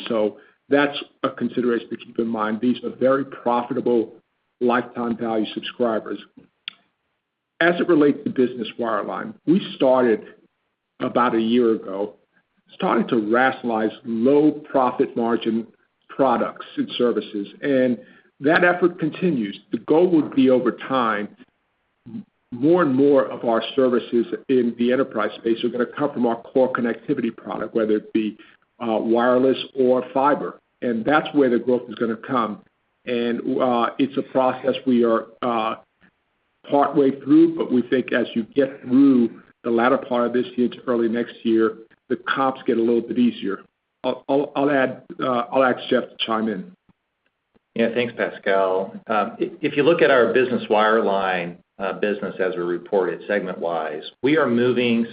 S4: That's a consideration to keep in mind. These are very profitable lifetime value subscribers. As it relates to business wireline, we started about a year ago, starting to rationalize low profit margin products and services, and that effort continues. The goal would be over time, more and more of our services in the enterprise space are going to come from our core connectivity product, whether it be wireless or fiber. That's where the growth is going to come. It's a process we are partway through, but we think as you get through the latter part of this year to early next year, the comps get a little bit easier. I'll ask Jeff to chime in.
S8: Thanks, Pascal. If you look at our business wireline business as a reported segment-wise, we are moving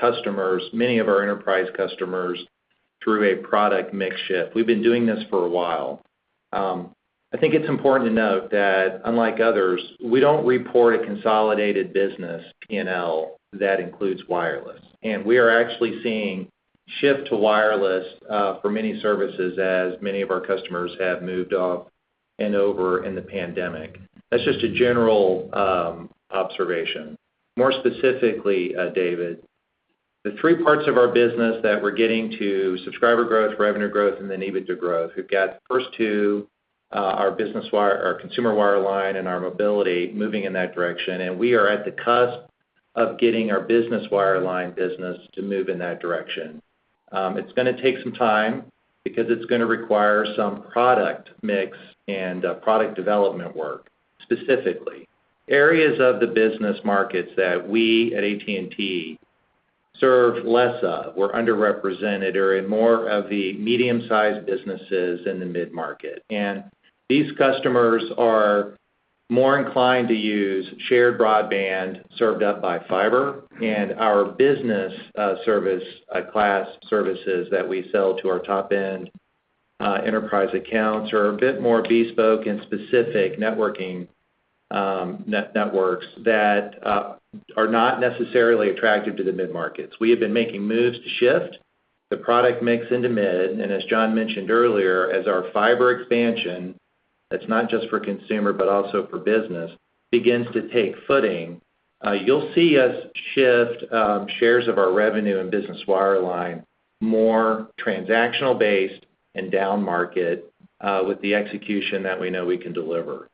S8: customers, many of our enterprise customers, through a product mix shift. We've been doing this for a while. I think it's important to note that unlike others, we don't report a consolidated business P&L that includes wireless, and we are actually seeing shift to wireless for many services as many of our customers have moved off and over in the pandemic. That's just a general observation. More specifically, David, the three parts of our business that we're getting to subscriber growth, revenue growth, and then EBITDA growth, we've got the first two are consumer wireline and our mobility moving in that direction, and we are at the cusp of getting our business wireline business to move in that direction. It's going to take some time because it's going to require some product mix and product development work, specifically. Areas of the business markets that we at AT&T serve less of, we're underrepresented are in more of the medium-sized businesses in the mid-market. These customers are more inclined to use shared broadband served up by fiber. Our business service class services that we sell to our top-end enterprise accounts are a bit more bespoke and specific networking networks that are not necessarily attractive to the mid-markets. We have been making moves to shift the product mix into mid, and as John mentioned earlier, as our fiber expansion, that's not just for consumer, but also for business, begins to take footing, you'll see us shift shares of our revenue and business wireline more transactional based and downmarket with the execution that we know we can deliver.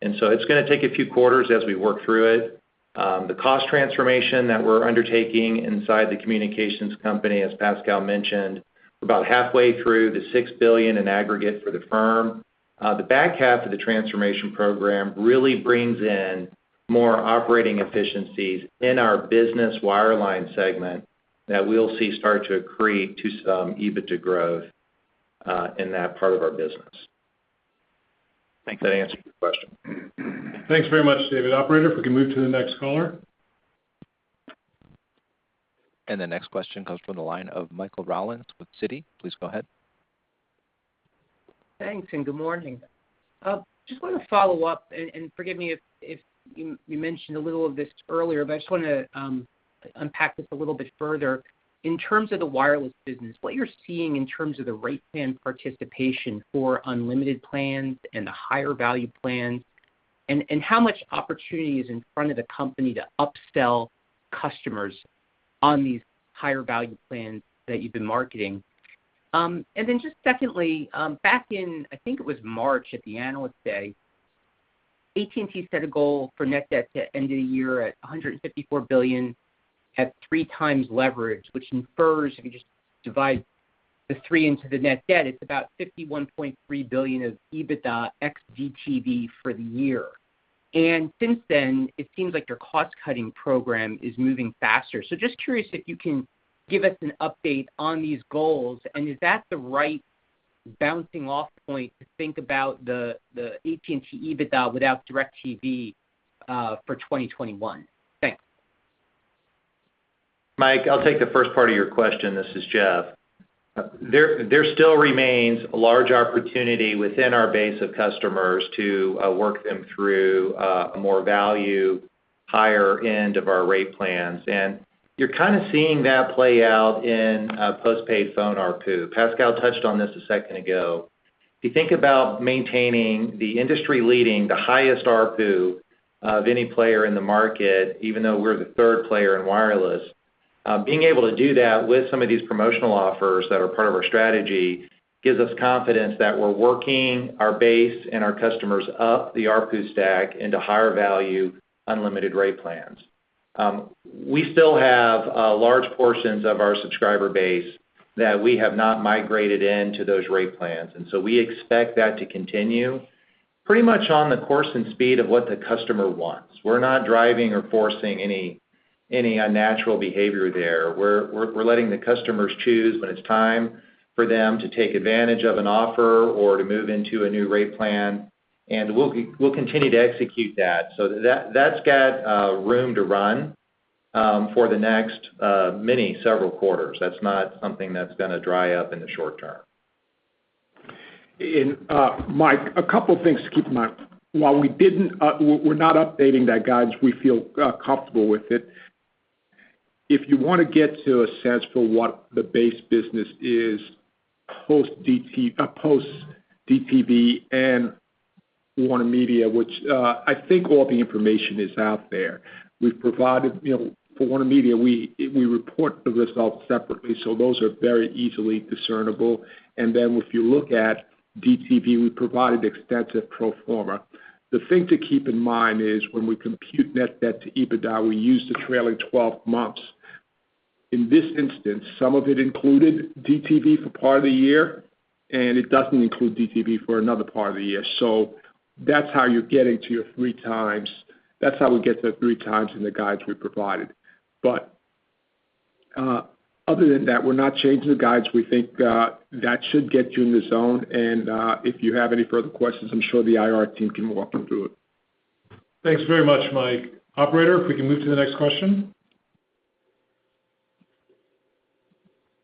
S8: It's going to take a few quarters as we work through it. The cost transformation that we're undertaking inside the communications company, as Pascal mentioned, we're about halfway through the $6 billion in aggregate for the firm. The back half of the transformation program really brings in more operating efficiencies in our business wireline segment that we'll see start to accrete to some EBITDA growth in that part of our business.
S11: Thank you.
S8: Does that answer your question?
S2: Thanks very much, David. Operator, if we can move to the next caller.
S1: The next question comes from the line of Michael Rollins with Citi. Please go ahead.
S12: Thanks and good morning. I just want to follow-up and forgive me if you mentioned a little of this earlier. I just want to unpack this a little bit further. In terms of the wireless business, what you're seeing in terms of the rate plan participation for unlimited plans and the higher value plans, and how much opportunity is in front of the company to upsell customers on these higher value plans that you've been marketing? Secondly, back in, I think it was March at the Analyst Day, AT&T set a goal for net debt to end of the year at $154 billion at 3x leverage, which infers if you just divide the three into the net debt, it's about $51.3 billion of EBITDA ex DTV for the year. Since then, it seems like your cost-cutting program is moving faster. Just curious if you can give us an update on these goals, and is that the right bouncing off point to think about the AT&T EBITDA without DIRECTV for 2021? Thanks.
S8: Mike, I'll take the first part of your question. This is Jeff. There still remains a large opportunity within our base of customers to work them through a more value higher end of our rate plans. You're kind of seeing that play out in postpaid phone ARPU. Pascal touched on this a second ago. If you think about maintaining the industry leading, the highest ARPU of any player in the market, even though we're the third player in wireless, being able to do that with some of these promotional offers that are part of our strategy gives us confidence that we're working our base and our customers up the ARPU stack into higher value unlimited rate plans. We still have large portions of our subscriber base that we have not migrated into those rate plans. We expect that to continue pretty much on the course and speed of what the customer wants. We're not driving or forcing any unnatural behavior there. We're letting the customers choose when it's time for them to take advantage of an offer or to move into a new rate plan, and we'll continue to execute that. That's got room to run for the next many several quarters. That's not something that's going to dry up in the short term.
S4: Mike, a couple of things to keep in mind. While we're not updating that guidance, we feel comfortable with it. If you want to get to a sense for what the base business is post DTV and WarnerMedia, which I think all the information is out there. For WarnerMedia, we report the results separately, so those are very easily discernible. If you look at DTV, we provided extensive pro forma. The thing to keep in mind is when we compute net debt to EBITDA, we use the trailing 12 months. In this instance, some of it included DTV for part of the year, and it doesn't include DTV for another part of the year. That's how you're getting to your 3x. That's how we get to 3x in the guides we provided. Other than that, we're not changing the guides. We think that should get you in the zone, and if you have any further questions, I'm sure the IR team can walk you through it.
S2: Thanks very much, Mike. Operator, if we can move to the next question.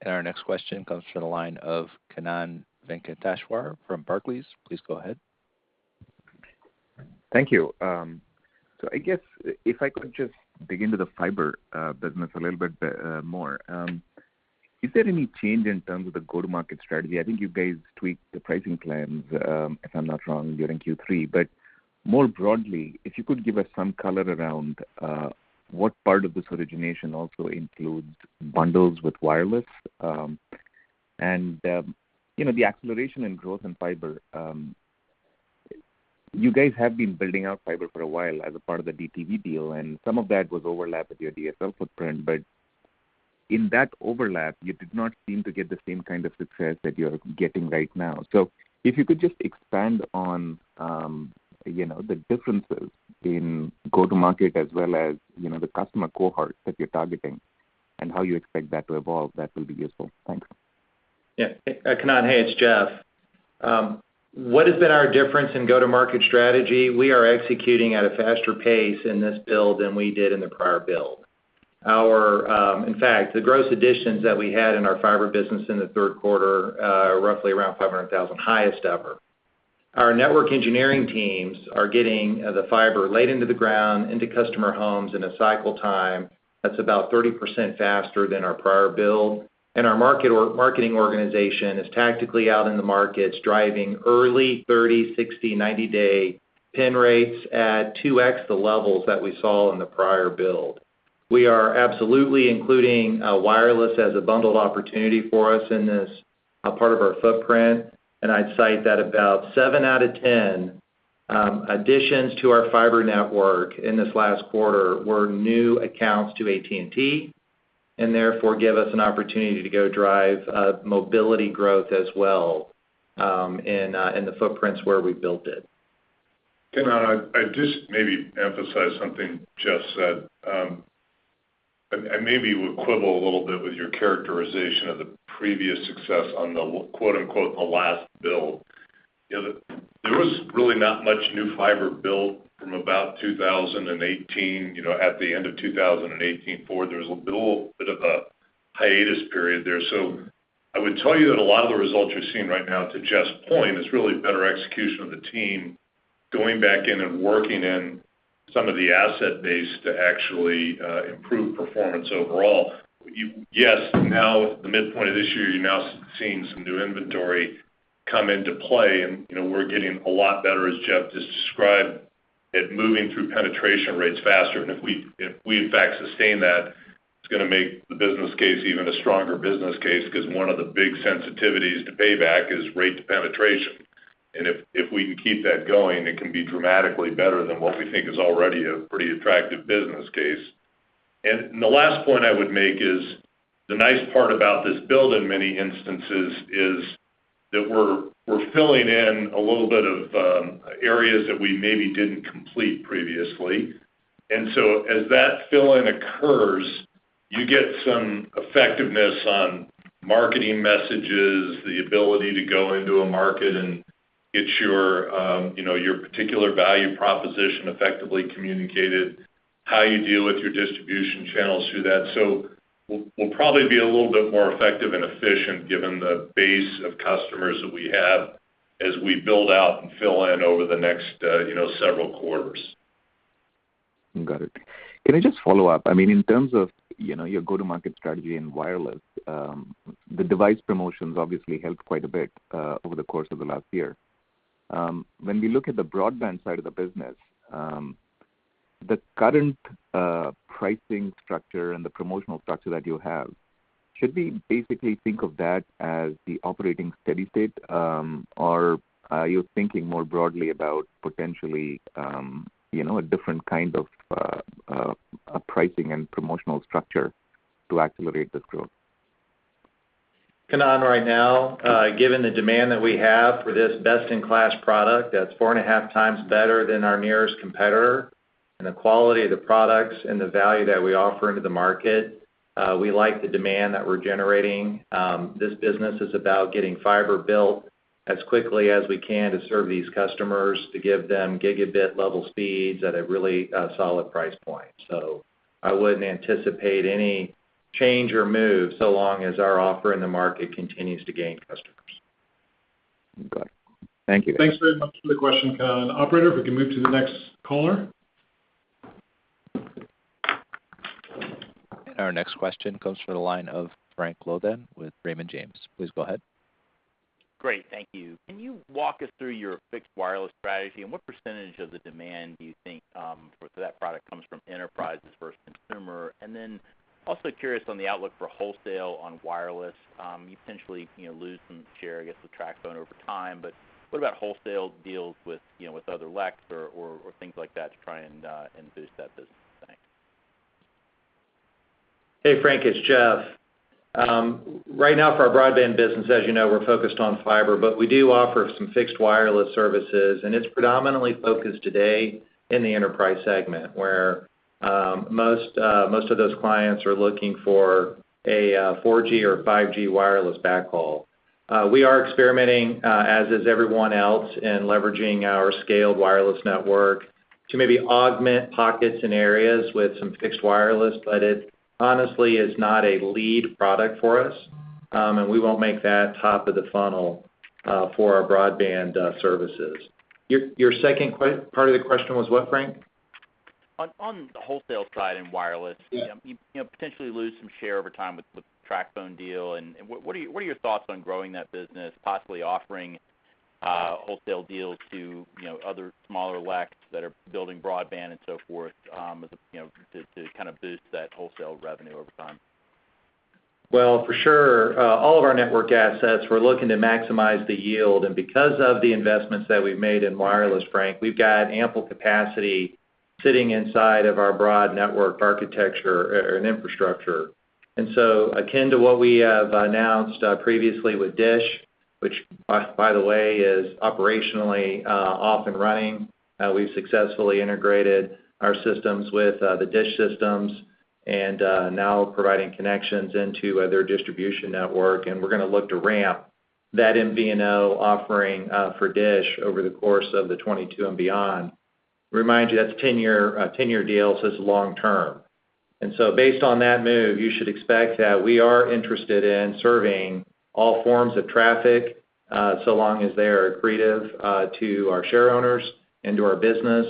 S1: Our next question comes from the line of Kannan Venkateshwar from Barclays. Please go ahead.
S13: Thank you. I guess if I could just dig into the fiber business a little bit more. Is there any change in terms of the go-to-market strategy? I think you guys tweaked the pricing plans, if I'm not wrong, during Q3. More broadly, if you could give us some color around what part of this origination also includes bundles with wireless. The acceleration in growth in fiber, you guys have been building out fiber for a while as a part of the DIRECTV deal, and some of that was overlap with your DSL footprint. In that overlap, you did not seem to get the same kind of success that you're getting right now. If you could just expand on the differences in go-to-market as well as the customer cohorts that you're targeting and how you expect that to evolve, that will be useful. Thanks.
S8: Yeah. Kannan, hey, it's Jeff. What has been our difference in go-to-market strategy? We are executing at a faster pace in this build than we did in the prior build. In fact, the gross additions that we had in our fiber business in the third quarter are roughly around 500,000, highest ever. Our network engineering teams are getting the fiber laid into the ground into customer homes in a cycle time that's about 30% faster than our prior build. Our marketing organization is tactically out in the markets driving early 30, 60, 90-day pin rates at 2x the levels that we saw in the prior build. We are absolutely including wireless as a bundled opportunity for us in this part of our footprint. I'd cite that about seven out of 10 additions to our fiber network in this last quarter were new accounts to AT&T, and therefore give us an opportunity to go drive mobility growth as well in the footprints where we built it.
S3: Kannan, I'd just maybe emphasize something Jeff said. I maybe would quibble a little bit with your characterization of the previous success on the quote, unquote, "the last build." There was really not much new fiber built from about 2018, at the end of 2018 forward. There was a little bit of a hiatus period there. I would tell you that a lot of the results you're seeing right now, to Jeff's point, is really better execution of the team going back in and working in some of the asset base to actually improve performance overall. Yes, now at the midpoint of this year, you're now seeing some new inventory come into play and we're getting a lot better, as Jeff just described, at moving through penetration rates faster. If we in fact sustain that, it's going to make the business case even a stronger business case because one of the big sensitivities to payback is rate to penetration. If we can keep that going, it can be dramatically better than what we think is already a pretty attractive business case. The last point I would make is, the nice part about this build in many instances is that we're filling in a little bit of areas that we maybe didn't complete previously. As that fill-in occurs, you get some effectiveness on marketing messages, the ability to go into a market and get your particular value proposition effectively communicated, how you deal with your distribution channels through that. We'll probably be a little bit more effective and efficient given the base of customers that we have as we build out and fill in over the next several quarters.
S13: Got it. Can I just follow-up? In terms of your go-to-market strategy in wireless, the device promotions obviously helped quite a bit over the course of the last year. When we look at the broadband side of the business, the current pricing structure and the promotional structure that you have, should we basically think of that as the operating steady state? Are you thinking more broadly about potentially a different kind of pricing and promotional structure to accelerate this growth?
S8: Kannan, right now, given the demand that we have for this best-in-class product that's 4.5x better than our nearest competitor, and the quality of the products and the value that we offer into the market, we like the demand that we're generating. This business is about getting fiber built as quickly as we can to serve these customers, to give them gigabit-level speeds at a really solid price point. I wouldn't anticipate any change or move so long as our offer in the market continues to gain customer. Thank you.
S2: Thanks very much for the question. Operator, if we can move to the next caller.
S1: Our next question comes from the line of Frank Louthan with Raymond James. Please go ahead.
S14: Great. Thank you. Can you walk us through your fixed wireless strategy and what percentage of the demand do you think for that product comes from enterprises versus consumer? Also curious on the outlook for wholesale on wireless. You potentially lose some share, I guess, with TracFone over time, but what about wholesale deals with other LECs or things like that to try and boost that business? Thanks.
S8: Hey, Frank, it's Jeff. Right now for our broadband business, as you know, we're focused on fiber, but we do offer some fixed wireless services, and it's predominantly focused today in the enterprise segment, where most of those clients are looking for a 4G or 5G wireless backhaul. We are experimenting, as is everyone else, in leveraging our scaled wireless network to maybe augment pockets in areas with some fixed wireless, but it honestly is not a lead product for us. We won't make that top of the funnel for our broadband services. Your second part of the question was what, Frank?
S14: On the wholesale side in wireless.
S8: Yeah
S14: You potentially lose some share over time with the TracFone deal. What are your thoughts on growing that business, possibly offering wholesale deals to other smaller LECs that are building broadband and so forth, to kind of boost that wholesale revenue over time?
S8: Well, for sure, all of our network assets, we're looking to maximize the yield. Because of the investments that we've made in wireless, Frank, we've got ample capacity sitting inside of our broad network architecture and infrastructure. Akin to what we have announced previously with DISH, which by the way, is operationally up and running. We've successfully integrated our systems with the DISH systems and now providing connections into their distribution network, and we're going to look to ramp that MVNO offering for DISH over the course of the 2022 and beyond. Remind you, that's a 10-year deal, so it's long-term. Based on that move, you should expect that we are interested in serving all forms of traffic, so long as they are accretive to our share owners and to our business.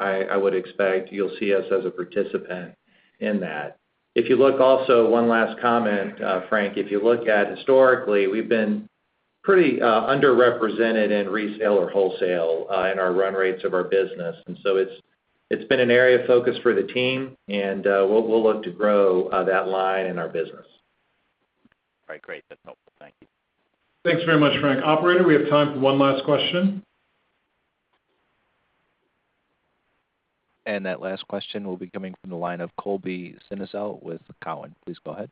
S8: I would expect you'll see us as a participant in that. If you look also, one last comment, Frank, if you look at historically, we've been pretty underrepresented in resale or wholesale in our run rates of our business. It's been an area of focus for the team, and we'll look to grow that line in our business.
S14: All right. Great. That's helpful. Thank you.
S2: Thanks very much, Frank. Operator, we have time for one last question.
S1: That last question will be coming from the line of Colby Synesael with Cowen. Please go ahead.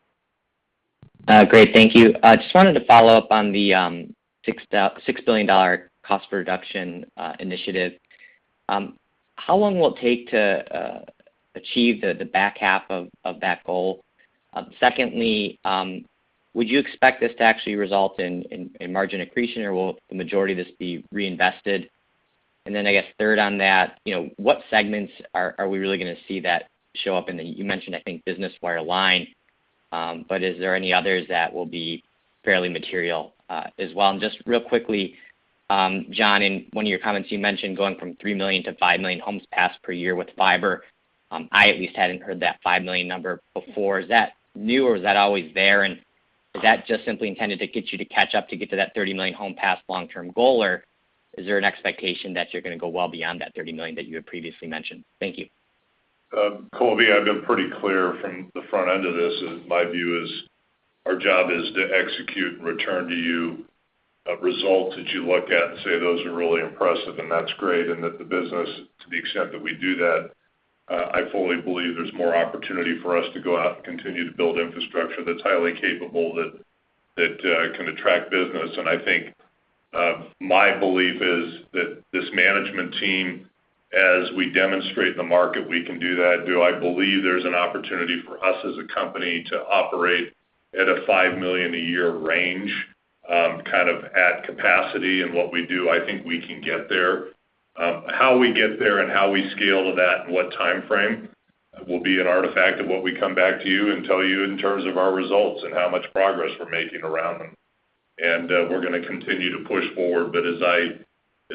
S15: Great. Thank you. Just wanted to follow-up on the $6 billion cost reduction initiative. How long will it take to achieve the back half of that goal? Secondly, would you expect this to actually result in margin accretion, or will the majority of this be reinvested? I guess third on that, what segments are we really going to see that show up in the-- you mentioned, I think, business wireline, but is there any others that will be fairly material as well? Just real quickly, John, in one of your comments, you mentioned going from three million to five million homes passed per year with fiber. I at least hadn't heard that 5 million number before. Is that new, or is that always there? Is that just simply intended to get you to catch up to get to that 30 million home passed long-term goal, or is there an expectation that you're going to go well beyond that 30 million that you had previously mentioned? Thank you.
S3: Colby, I've been pretty clear from the front end of this. My view is our job is to execute and return to you results that you look at and say, "Those are really impressive," and that's great, and that the business, to the extent that we do that, I fully believe there's more opportunity for us to go out and continue to build infrastructure that's highly capable that can attract business. I think my belief is that this management team, as we demonstrate the market, we can do that. Do I believe there's an opportunity for us as a company to operate at a $5 million a year range, kind of at capacity in what we do? I think we can get there. How we get there and how we scale to that and what timeframe will be an artifact of what we come back to you and tell you in terms of our results and how much progress we're making around them. We're going to continue to push forward. As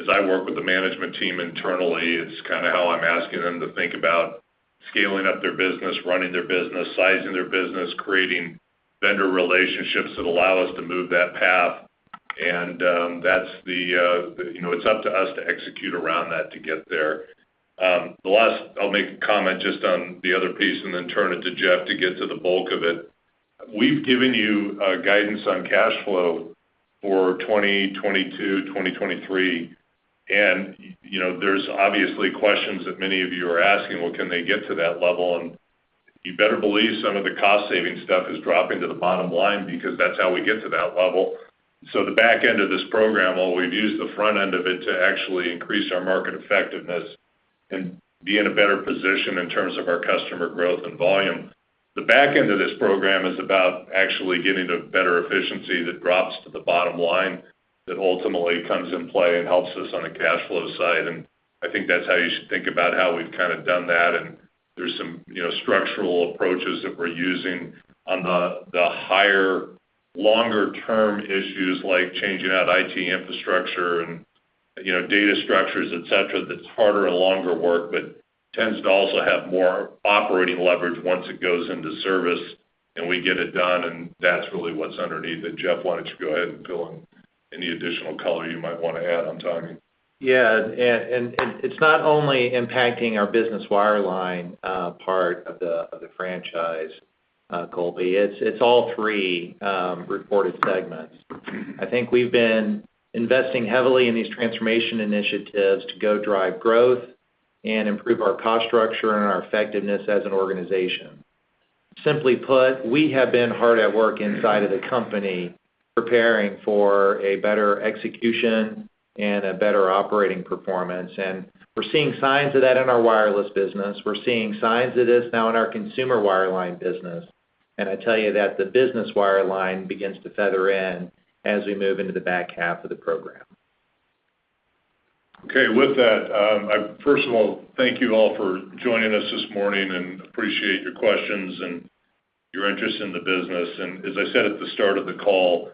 S3: I work with the management team internally, it's kind of how I'm asking them to think about scaling up their business, running their business, sizing their business, creating vendor relationships that allow us to move that path. It's up to us to execute around that to get there. I'll make a comment just on the other piece and then turn it to Jeff to get to the bulk of it. We've given you guidance on cash flow for 2022, 2023, and there's obviously questions that many of you are asking, well, can they get to that level? You better believe some of the cost-saving stuff is dropping to the bottom line because that's how we get to that level. The back end of this program, while we've used the front end of it to actually increase our market effectiveness and be in a better position in terms of our customer growth and volume, the back end of this program is about actually getting to better efficiency that drops to the bottom line that ultimately comes in play and helps us on a cash flow side. I think that's how you should think about how we've kind of done that. There's some structural approaches that we're using on the higher, longer term issues like changing out IT infrastructure and data structures, et cetera, that's harder and longer work, but tends to also have more operating leverage once it goes into service and we get it done, and that's really what's underneath it. Jeff, why don't you go ahead and fill in any additional color you might want to add on timing?
S8: Yeah. It's not only impacting our business wireline part of the franchise, Colby, it's all three reported segments. I think we've been investing heavily in these transformation initiatives to go drive growth and improve our cost structure and our effectiveness as an organization. Simply put, we have been hard at work inside of the company preparing for a better execution and a better operating performance. We're seeing signs of that in our wireless business. We're seeing signs of this now in our consumer wireline business. I tell you that the business wireline begins to feather in as we move into the back half of the program.
S3: Okay. With that, first of all, thank you all for joining us this morning, and appreciate your questions and your interest in the business. As I said at the start of the call,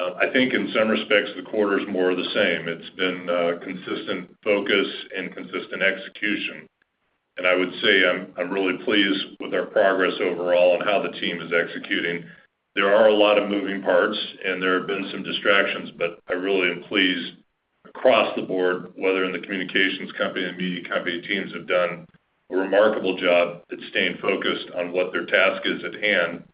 S3: I think in some respects, the quarter is more of the same. It's been consistent focus and consistent execution. I would say I'm really pleased with our progress overall and how the team is executing. There are a lot of moving parts, and there have been some distractions, but I really am pleased across the board, whether in the communications company and media company, teams have done a remarkable job at staying focused on what their task is at hand.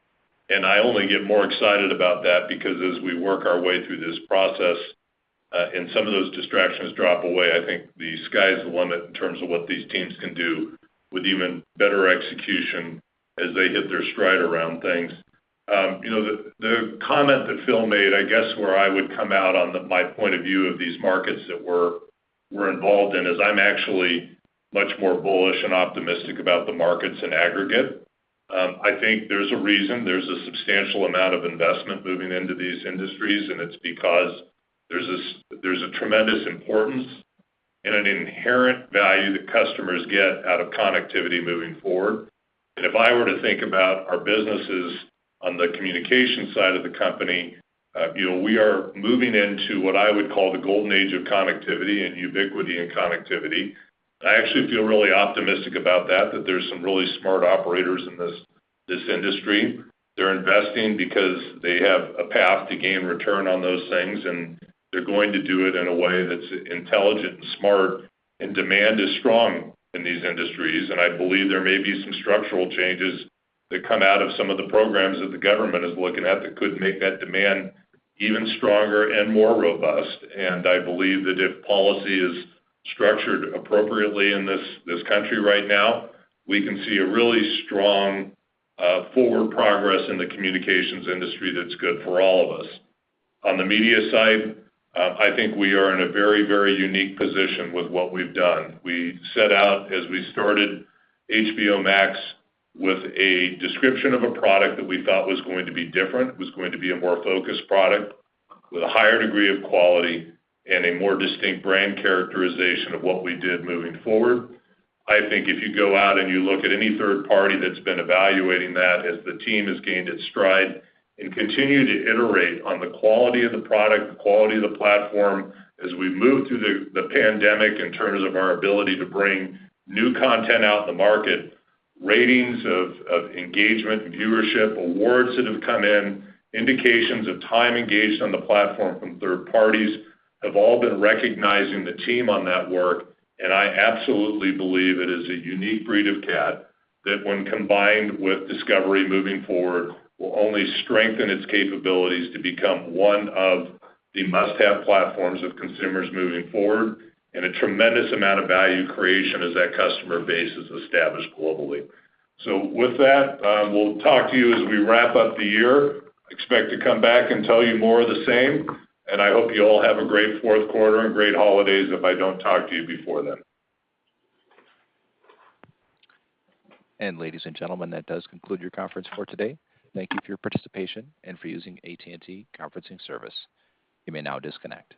S3: I only get more excited about that because as we work our way through this process, and some of those distractions drop away, I think the sky's the limit in terms of what these teams can do with even better execution as they hit their stride around things. The comment that Phil made, I guess where I would come out on my point of view of these markets that we're involved in, is I'm actually much more bullish and optimistic about the markets in aggregate. I think there's a reason. There's a substantial amount of investment moving into these industries, and it's because there's a tremendous importance and an inherent value that customers get out of connectivity moving forward. If I were to think about our businesses on the communication side of the company, we are moving into what I would call the golden age of connectivity and ubiquity and connectivity. I actually feel really optimistic about that there's some really smart operators in this industry. They're investing because they have a path to gain return on those things, and they're going to do it in a way that's intelligent and smart. Demand is strong in these industries, and I believe there may be some structural changes that come out of some of the programs that the government is looking at that could make that demand even stronger and more robust. I believe that if policy is structured appropriately in this country right now, we can see a really strong forward progress in the communications industry that's good for all of us. On the media side, I think we are in a very unique position with what we've done. We set out as we started HBO Max with a description of a product that we thought was going to be different, was going to be a more focused product with a higher degree of quality and a more distinct brand characterization of what we did moving forward. I think if you go out and you look at any third party that's been evaluating that, as the team has gained its stride and continue to iterate on the quality of the product, the quality of the platform as we move through the pandemic in terms of our ability to bring new content out in the market, ratings of engagement and viewership, awards that have come in, indications of time engaged on the platform from third parties, have all been recognizing the team on that work. I absolutely believe it is a unique breed of cat that when combined with Discovery moving forward, will only strengthen its capabilities to become one of the must-have platforms of consumers moving forward, and a tremendous amount of value creation as that customer base is established globally. With that, we'll talk to you as we wrap up the year. Expect to come back and tell you more of the same. I hope you all have a great fourth quarter and great holidays if I don't talk to you before then.
S1: Ladies and gentlemen, that does conclude your conference for today. Thank you for your participation and for using AT&T Conferencing Service. You may now disconnect.